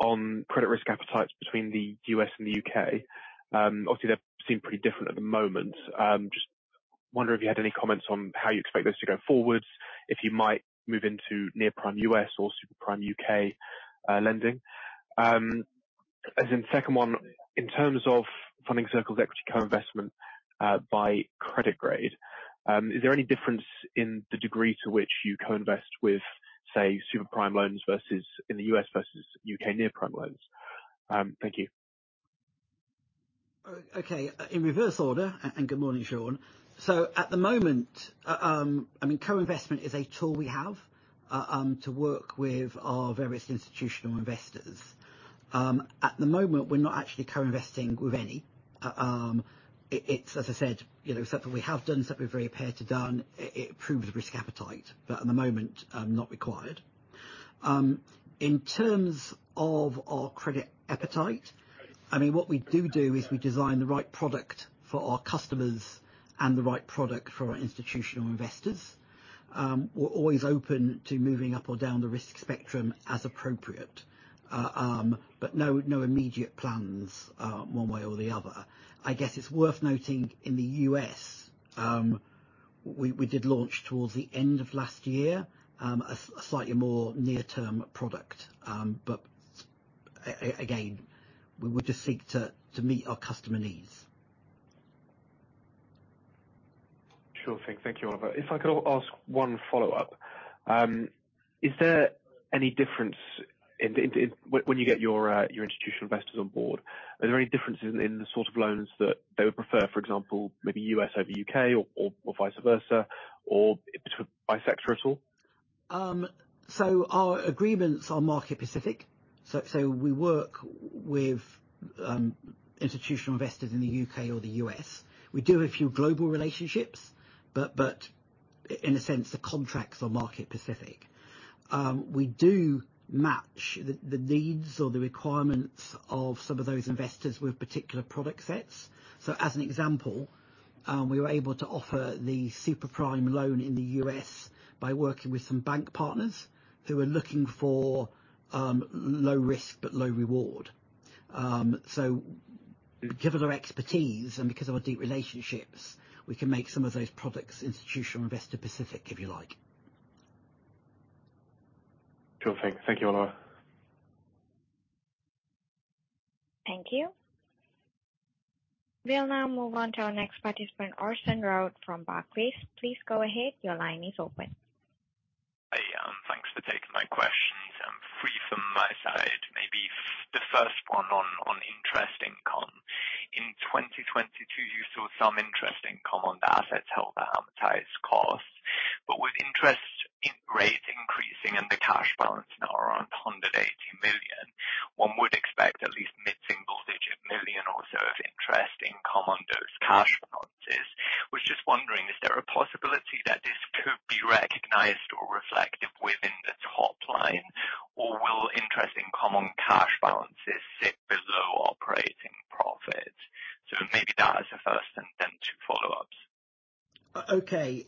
on credit risk appetites between the U.S. and the U.K. Obviously they seem pretty different at the moment. Just wonder if you had any comments on how you expect this to go forwards, if you might move into near prime U.S. or super prime U.K., lending. As in second one, in terms of Funding Circle's equity co-investment, by credit grade, is there any difference in the degree to which you co-invest with, say, super prime loans versus in the U.S. versus U.K. near prime loans? Thank you. Okay, in reverse order, and good morning, Sean. At the moment, I mean co-investment is a tool we have to work with our various institutional investors. At the moment, we're not actually co-investing with any. It's as I said, you know, something we have done, something we're very prepared to done. It proves risk appetite, but at the moment, not required. In terms of our credit appetite, I mean, what we do is we design the right product for our customers and the right product for our institutional investors. We're always open to moving up or down the risk spectrum as appropriate. No, no immediate plans, one way or the other. I guess it's worth noting in the U.S., we did launch towards the end of last year, a slightly more near-term product. Again, we would just seek to meet our customer needs. Sure thing. Thank you, Oliver. If I could ask one follow-up. Is there any difference in when you get your institutional investors on board, are there any differences in the sort of loans that they would prefer? For example, maybe US over UK or vice versa, or by sector at all? Our agreements are market specific. We work with institutional investors in the U.K. or the U.S. We do a few global relationships, but in a sense, the contracts are market specific. We do match the needs or the requirements of some of those investors with particular product sets. As an example, we were able to offer the super prime loan in the U.S. by working with some bank partners who are looking for low risk but low reward. Given our expertise and because of our deep relationships, we can make some of those products institutional investor specific, if you like. Cool. Thank you, Oliver. Thank you. We'll now move on to our next participant, Orson Rout from Barclays. Please go ahead. Your line is open. Hey. Thanks for taking my questions. 3 from my side. Maybe the first one on interest income. In 2022, you saw some interest income on the assets held to amortize costs. With interest in rates increasing and the cash balance now around 180 million, one would expect at least mid-single digit million or so of interest income on those cash balances. Was just wondering, is there a possibility that this could be recognized or reflective within the top line? Will interest income on cash balances sit below operating profit? Maybe that as a first, and then two follow-ups. Okay.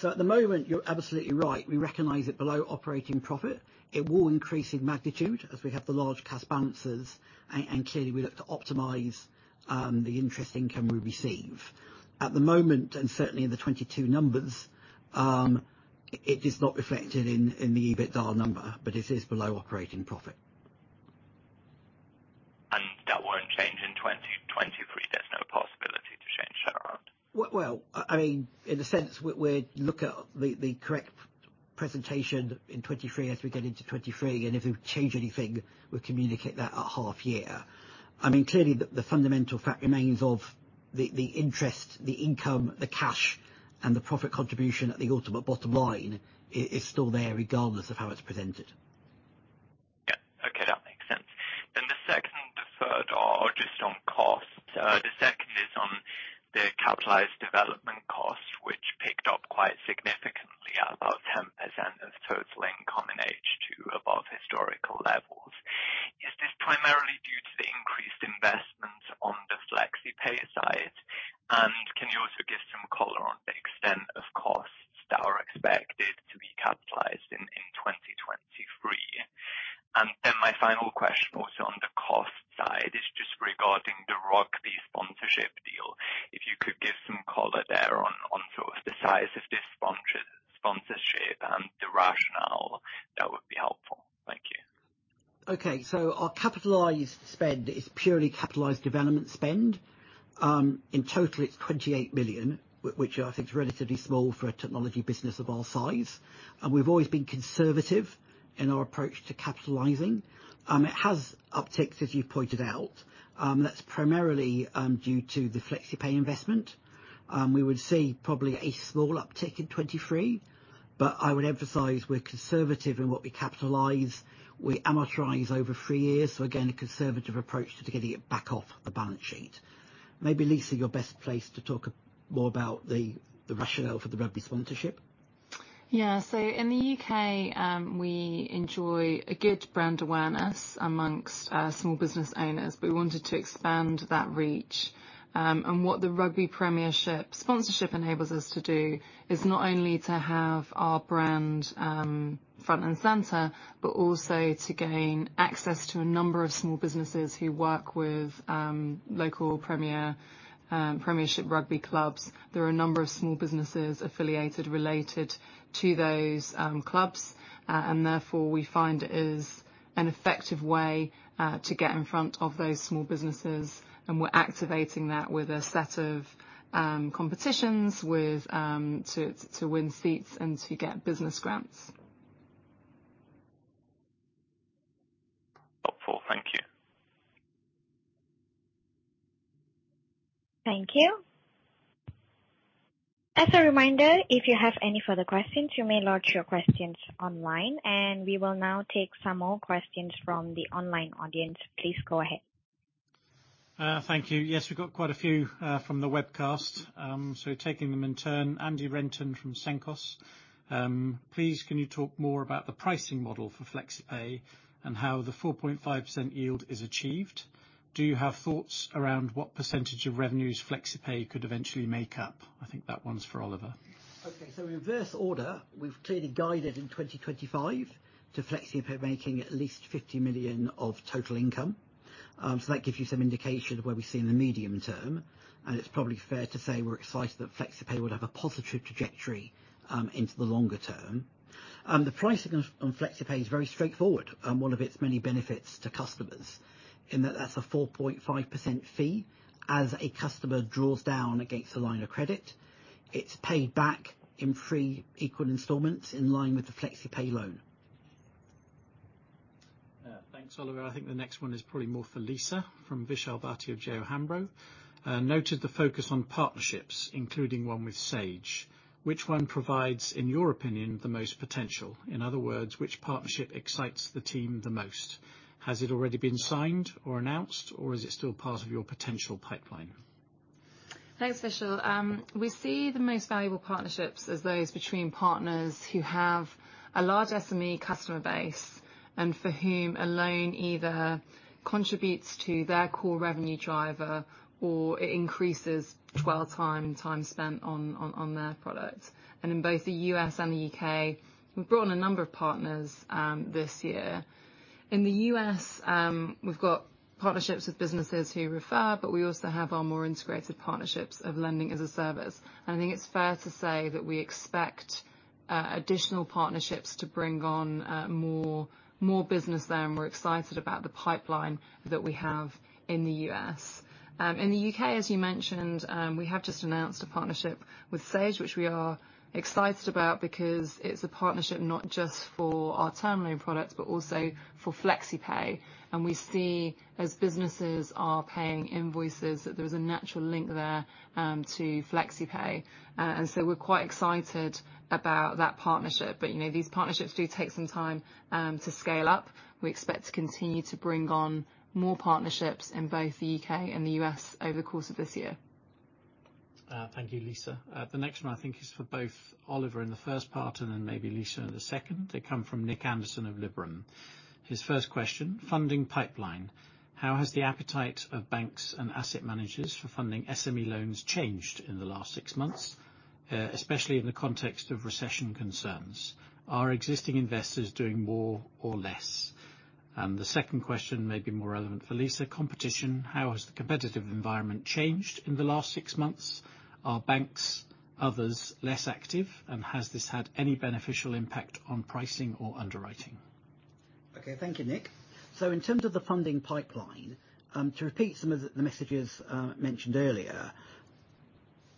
At the moment, you're absolutely right. We recognize it below operating profit. It will increase in magnitude as we have the large cash balances and clearly we look to optimize the interest income we receive. At the moment, certainly in the 22 numbers, it is not reflected in the EBITDA number, but it is below operating profit. That won't change in 2023. There's no possibility to change that around? Well, I mean, in a sense we're look at the correct presentation in 2023 as we get into 2023, and if we change anything, we communicate that at half year. I mean, clearly the fundamental fact remains of the interest, the income, the cash, and the profit contribution at the ultimate bottom line is still there regardless of how it's presented. Yeah. Okay, that makes sense. The second and the third are just on costs. The second is on the capitalized development costs, which picked up quite significantly at about 10% of total income in H2 above historical levels. Is this primarily due to the increased investment on the FlexiPay side? Can you also give some color on the extent of costs that are expected to be capitalized in 2023? My final question also on the cost side is just regarding the rugby sponsorship deal. If you could give some color there on sort of the size of this sponsorship and the rationale, that would be helpful. Thank you. Our capitalized spend is purely capitalized development spend. In total, it's 28 million, which I think is relatively small for a technology business of our size. We've always been conservative in our approach to capitalizing. It has upticks, as you pointed out, and that's primarily due to the FlexiPay investment. We would see probably a small uptick in 2023, but I would emphasize we're conservative in what we capitalize. We amortize over three years, again, a conservative approach to getting it back off the balance sheet. Maybe Lisa, you're best placed to talk more about the rationale for the rugby sponsorship. Yeah. In the U.K., we enjoy a good brand awareness amongst small business owners, but we wanted to expand that reach. What the Premiership Rugby sponsorship enables us to do is not only to have our brand front and center, but also to gain access to a number of small businesses who work with local premier Premiership Rugby clubs. There are a number of small businesses affiliated, related to those clubs. Therefore, we find it is an effective way to get in front of those small businesses, and we're activating that with a set of competitions with to win seats and to get business grants. Helpful. Thank you. Thank you. As a reminder, if you have any further questions, you may lodge your questions online, and we will now take some more questions from the online audience. Please go ahead. Thank you. Yes, we've got quite a few from the webcast. Taking them in turn, Andrew Renton from Cenkos. Please, can you talk more about the pricing model for FlexiPay and how the 4.5% yield is achieved? Do you have thoughts around what percentage of revenues FlexiPay could eventually make up? I think that one's for Oliver. In reverse order, we've clearly guided in 2025 to FlexiPay making at least 50 million of total income. That gives you some indication of where we're seeing the medium term, and it's probably fair to say we're excited that FlexiPay would have a positive trajectory into the longer term. The pricing of, on FlexiPay is very straightforward, one of its many benefits to customers, in that that's a 4.5% fee as a customer draws down against the line of credit. It's paid back in 3 equal installments in line with the FlexiPay loan. Thanks, Oliver. I think the next one is probably more for Lisa, from Vishal Bhatia of Jefferies. Noted the focus on partnerships, including one with Sage. Which one provides, in your opinion, the most potential? In other words, which partnership excites the team the most? Has it already been signed or announced, or is it still part of your potential pipeline? Thanks, Vishal. We see the most valuable partnerships as those between partners who have a large SME customer base and for whom a loan either contributes to their core revenue driver or it increases dwell time and time spent on their product. In both the U.S. and the U.K., we've brought on a number of partners this year. In the U.S., we've got partnerships with businesses who refer, but we also have our more integrated partnerships of Lending as a Service. I think it's fair to say that we expect additional partnerships to bring on more business there, and we're excited about the pipeline that we have in the U.S. In the U.K., as you mentioned, we have just announced a partnership with Sage, which we are excited about because it's a partnership not just for our term loan products, but also for FlexiPay. We see as businesses are paying invoices, that there is a natural link there to FlexiPay. We're quite excited about that partnership. You know, these partnerships do take some time to scale up. We expect to continue to bring on more partnerships in both the U.K. and the U.S. over the course of this year. Thank you, Lisa. The next one I think is for both Oliver in the first part and then maybe Lisa in the second. They come from Nick Anderson of Liberum. His first question: funding pipeline. How has the appetite of banks and asset managers for funding SME loans changed in the last six months, especially in the context of recession concerns? Are existing investors doing more or less? The second question may be more relevant for Lisa. Competition. How has the competitive environment changed in the last six months? Are banks, others less active? Has this had any beneficial impact on pricing or underwriting? Thank you, Nick. In terms of the funding pipeline, to repeat some of the messages mentioned earlier,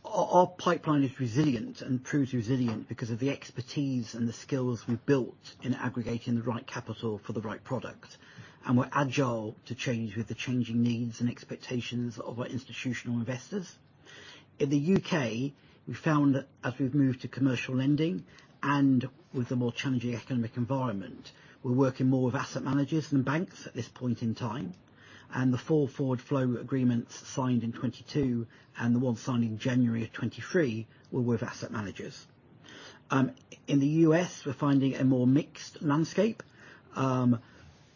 our pipeline is resilient and proves resilient because of the expertise and the skills we've built in aggregating the right capital for the right product. We're agile to change with the changing needs and expectations of our institutional investors. In the U.K., we found that as we've moved to commercial lending and with the more challenging economic environment, we're working more with asset managers than banks at this point in time, the 4 forward flow agreements signed in 2022 and the ones signed in January of 2023 were with asset managers. In the U.S., we're finding a more mixed landscape. We're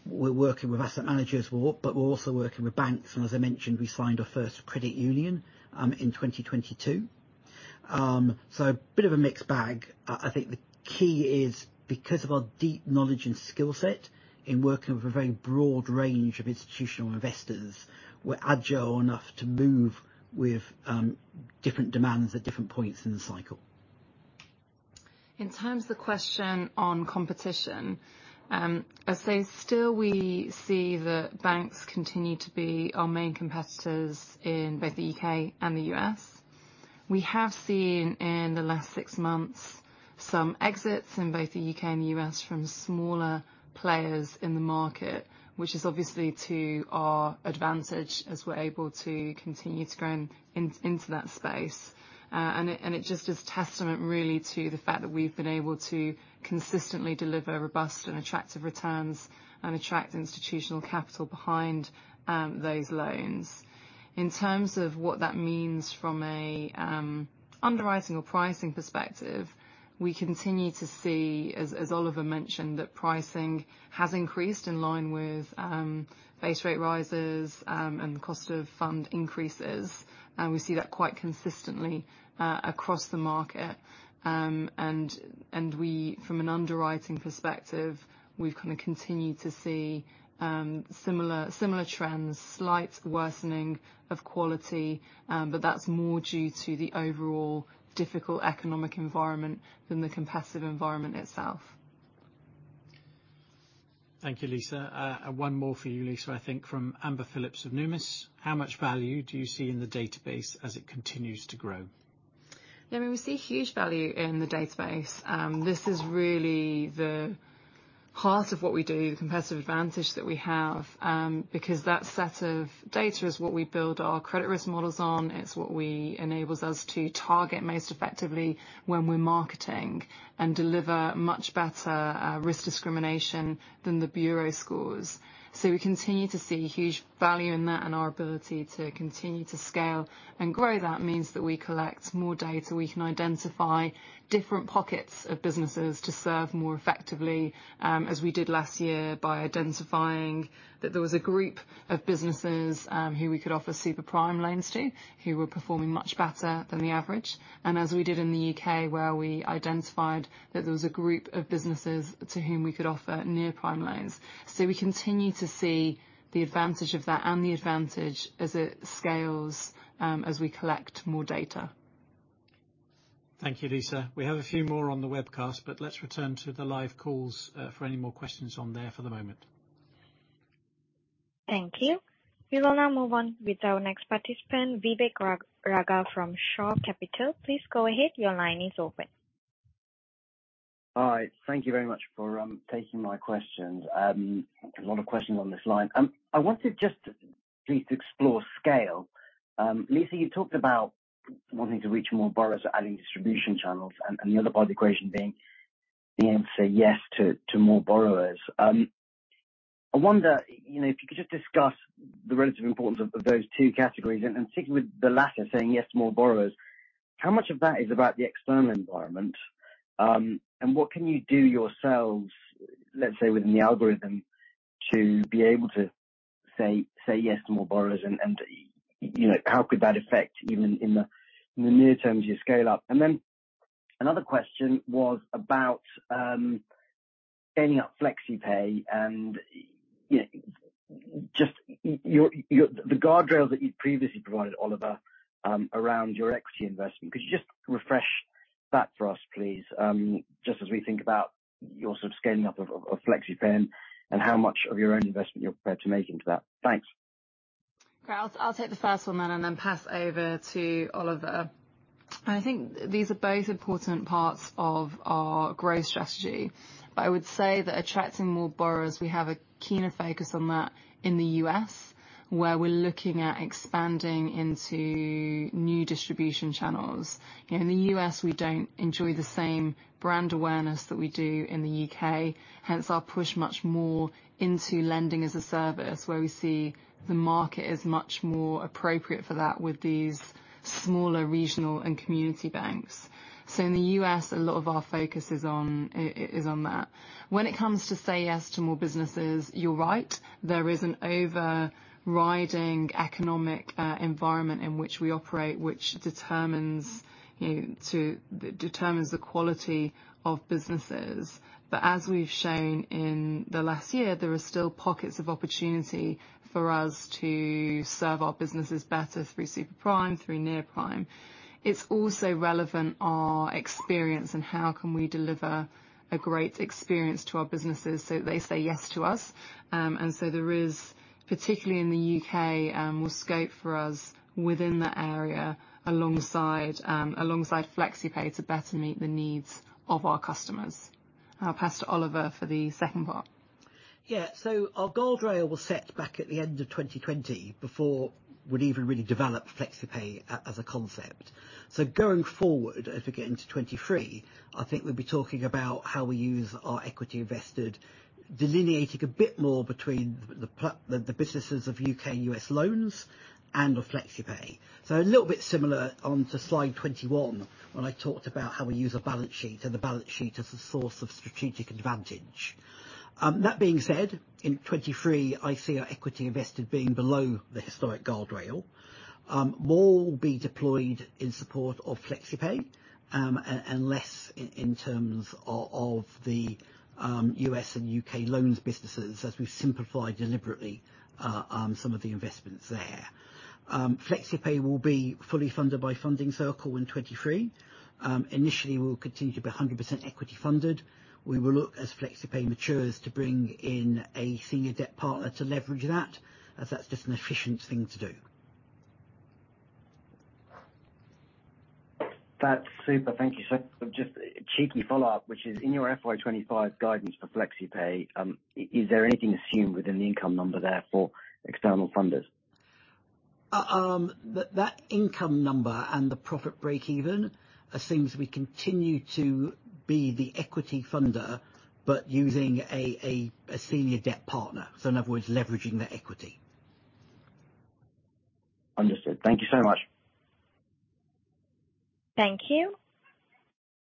working with asset managers but we're also working with banks. As I mentioned, we signed our first credit union in 2022. Bit of a mixed bag. I think the key is because of our deep knowledge and skill set in working with a very broad range of institutional investors, we're agile enough to move with different demands at different points in the cycle. In terms of the question on competition, I'd say still we see that banks continue to be our main competitors in both the UK and the US. We have seen in the last 6 months some exits in both the UK and the US from smaller players in the market, which is obviously to our advantage as we're able to continue to grow into that space. It just is testament really to the fact that we've been able to consistently deliver robust and attractive returns and attract institutional capital behind those loans. In terms of what that means from a underwriting or pricing perspective, we continue to see as Oliver mentioned, that pricing has increased in line with base rate rises and the cost of fund increases. We see that quite consistently across the market. We from an underwriting perspective, we've kind of continued to see, similar trends, slight worsening of quality, but that's more due to the overall difficult economic environment than the competitive environment itself. Thank you, Lisa. One more for you, Lisa, I think from Amber Phillips of Numis. How much value do you see in the database as it continues to grow? Yeah, I mean, we see huge value in the database. This is really the heart of what we do, the competitive advantage that we have, because that set of data is what we build our credit risk models on. It's what we enables us to target most effectively when we're marketing and deliver much better risk discrimination than the bureau scores. We continue to see huge value in that and our ability to continue to scale and grow. That means that we collect more data. We can identify different pockets of businesses to serve more effectively, as we did last year by identifying that there was a group of businesses, who we could offer super prime loans to, who were performing much better than the average. As we did in the UK, where we identified that there was a group of businesses to whom we could offer near-prime loans. We continue to see the advantage of that and the advantage as it scales, as we collect more data. Thank you, Lisa. We have a few more on the webcast, but let's return to the live calls, for any more questions on there for the moment. Thank you. We will now move on with our next participant, Vivek Raja from Shaw Capital. Please go ahead. Your line is open. Hi. Thank you very much for taking my questions. There's a lot of questions on this line. I wanted just please explore scale. Lisa, you talked about wanting to reach more borrowers by adding distribution channels and the other part of the equation being able to say yes to more borrowers. I wonder, you know, if you could just discuss the relative importance of those two categories and particularly with the latter saying yes to more borrowers, how much of that is about the external environment, and what can you do yourselves, let's say within the algorithm, to be able to say yes to more borrowers and, you know, how could that affect even in the near term as you scale up? Another question was about, Ending up FlexiPay and, you know, just your, the guardrail that you'd previously provided, Oliver, around your equity investment. Could you just refresh that for us, please? Just as we think about your sort of scaling up of FlexiPay and how much of your own investment you're prepared to make into that. Thanks. Great. I'll take the first one then and then pass over to Oliver. I think these are both important parts of our growth strategy. I would say that attracting more borrowers, we have a keener focus on that in the U.S., where we're looking at expanding into new distribution channels. In the U.S., we don't enjoy the same brand awareness that we do in the U.K. Hence our push much more into Lending as a Service, where we see the market is much more appropriate for that with these smaller regional and community banks. In the U.S., a lot of our focus is on that. When it comes to say yes to more businesses, you're right. There is an overriding economic environment in which we operate, which determines, you know, determines the quality of businesses. As we've shown in the last year, there are still pockets of opportunity for us to serve our businesses better through super prime, through near prime. It's also relevant our experience and how can we deliver a great experience to our businesses, so they say yes to us. There is, particularly in the UK, more scope for us within that area alongside FlexiPay to better meet the needs of our customers. I'll pass to Oliver for the second part. Our guardrail was set back at the end of 2020 before we'd even really developed FlexiPay as a concept. Going forward, as we get into 2023, I think we'll be talking about how we use our equity invested, delineating a bit more between the businesses of UK and US loans and of FlexiPay. A little bit similar onto slide 21, when I talked about how we use our balance sheet and the balance sheet as a source of strategic advantage. That being said, in 2023, I see our equity invested being below the historic guardrail, more will be deployed in support of FlexiPay, and less in terms of the US and UK loans businesses as we simplify deliberately some of the investments there. FlexiPay will be fully funded by Funding Circle in 2023. Initially, we'll continue to be 100% equity funded. We will look as FlexiPay matures to bring in a senior debt partner to leverage that, as that's just an efficient thing to do. That's super. Thank you, sir. Just a cheeky follow-up, which is in your FY 25 guidance for FlexiPay, is there anything assumed within the income number there for external funders? That income number and the profit breakeven are things we continue to be the equity funder but using a senior debt partner. In other words, leveraging the equity. Understood. Thank you so much. Thank you.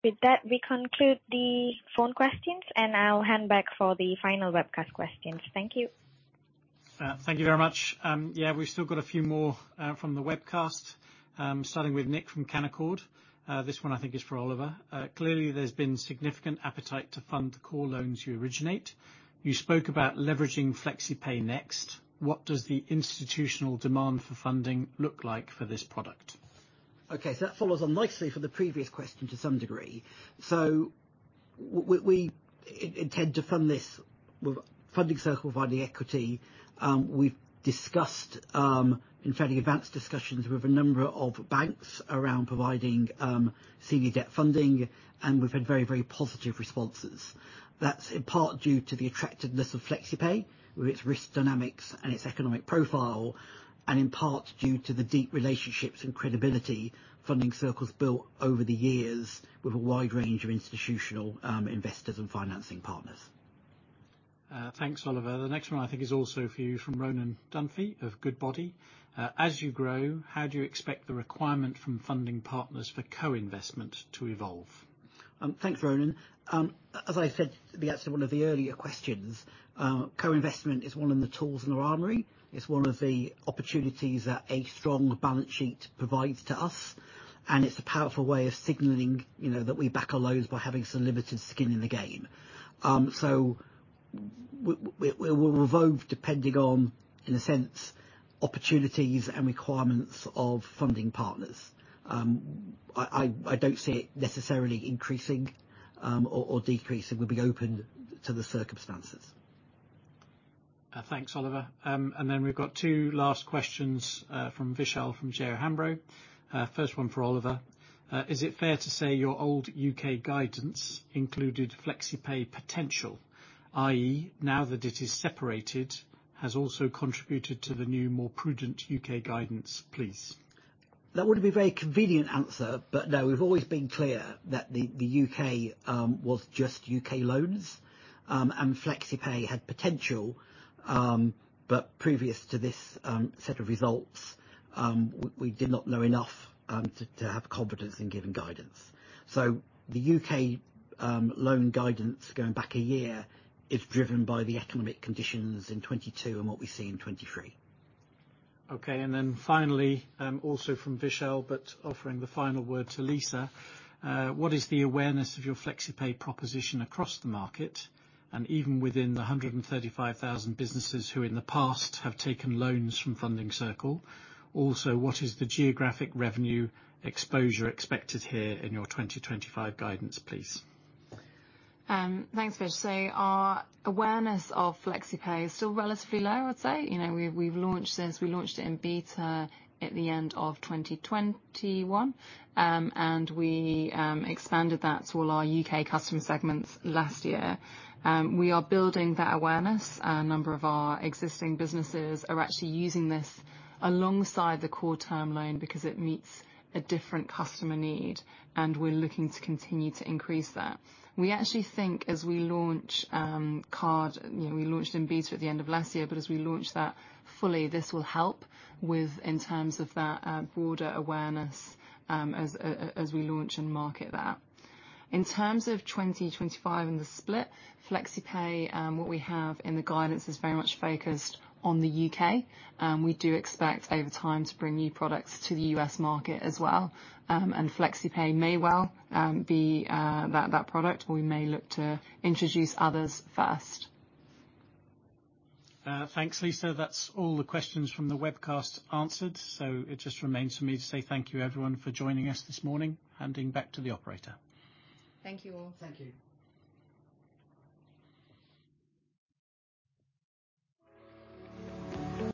With that, we conclude the phone questions, and I'll hand back for the final webcast questions. Thank you. Thank you very much. Yeah, we've still got a few more from the webcast. Starting with Nick from Canaccord. This one I think is for Oliver. Clearly there's been significant appetite to fund the core loans you originate. You spoke about leveraging FlexiPay next. What does the institutional demand for funding look like for this product? That follows on nicely from the previous question to some degree. We intend to fund this with Funding Circle via the equity. We've discussed in fairly advanced discussions with a number of banks around providing senior debt funding, and we've had very, very positive responses. That's in part due to the attractiveness of FlexiPay with its risk dynamics and its economic profile, and in part due to the deep relationships and credibility Funding Circle's built over the years with a wide range of institutional investors and financing partners. Thanks, Oliver. The next one I think is also for you from Ronan Dunphy of Goodbody. As you grow, how do you expect the requirement from funding partners for co-investment to evolve? Thanks, Ronan. As I said, perhaps to one of the earlier questions, co-investment is one of the tools in our armory. It's one of the opportunities that a strong balance sheet provides to us, and it's a powerful way of signaling, you know, that we back our loans by having some limited skin in the game. We will revolve depending on, in a sense, opportunities and requirements of funding partners. I, I don't see it necessarily increasing, or decreasing. We'll be open to the circumstances. Thanks, Oliver. We've got two last questions from Vishal from J O Hambro. First one for Oliver. Is it fair to say your old U.K. guidance included FlexiPay potential, i.e., now that it is separated, has also contributed to the new, more prudent U.K. guidance, please? That would be a very convenient answer. No, we've always been clear that the UK was just UK loans, FlexiPay had potential. Previous to this set of results, we did not know enough to have confidence in giving guidance. The UK loan guidance going back a year is driven by the economic conditions in 2022 and what we see in 2023. Finally, also from Vishal, but offering the final word to Lisa. What is the awareness of your FlexiPay proposition across the market and even within the 135,000 businesses who in the past have taken loans from Funding Circle? What is the geographic revenue exposure expected here in your 2025 guidance, please? Thanks, Vish. Our awareness of FlexiPay is still relatively low, I'd say. You know, we've launched since we launched it in beta at the end of 2021. We expanded that to all our U.K. customer segments last year. We are building that awareness. A number of our existing businesses are actually using this alongside the core term loan because it meets a different customer need, and we're looking to continue to increase that. We actually think as we launch card, you know, we launched in beta at the end of last year, but as we launch that fully, this will help with in terms of that broader awareness as we launch and market that. In terms of 2025 and the split, FlexiPay, what we have in the guidance is very much focused on the U.K. We do expect over time to bring new products to the U.S. market as well. FlexiPay may well be that product, or we may look to introduce others first. Thanks, Lisa. That's all the questions from the webcast answered. It just remains for me to say thank you everyone for joining us this morning. Handing back to the operator. Thank you all. Thank you.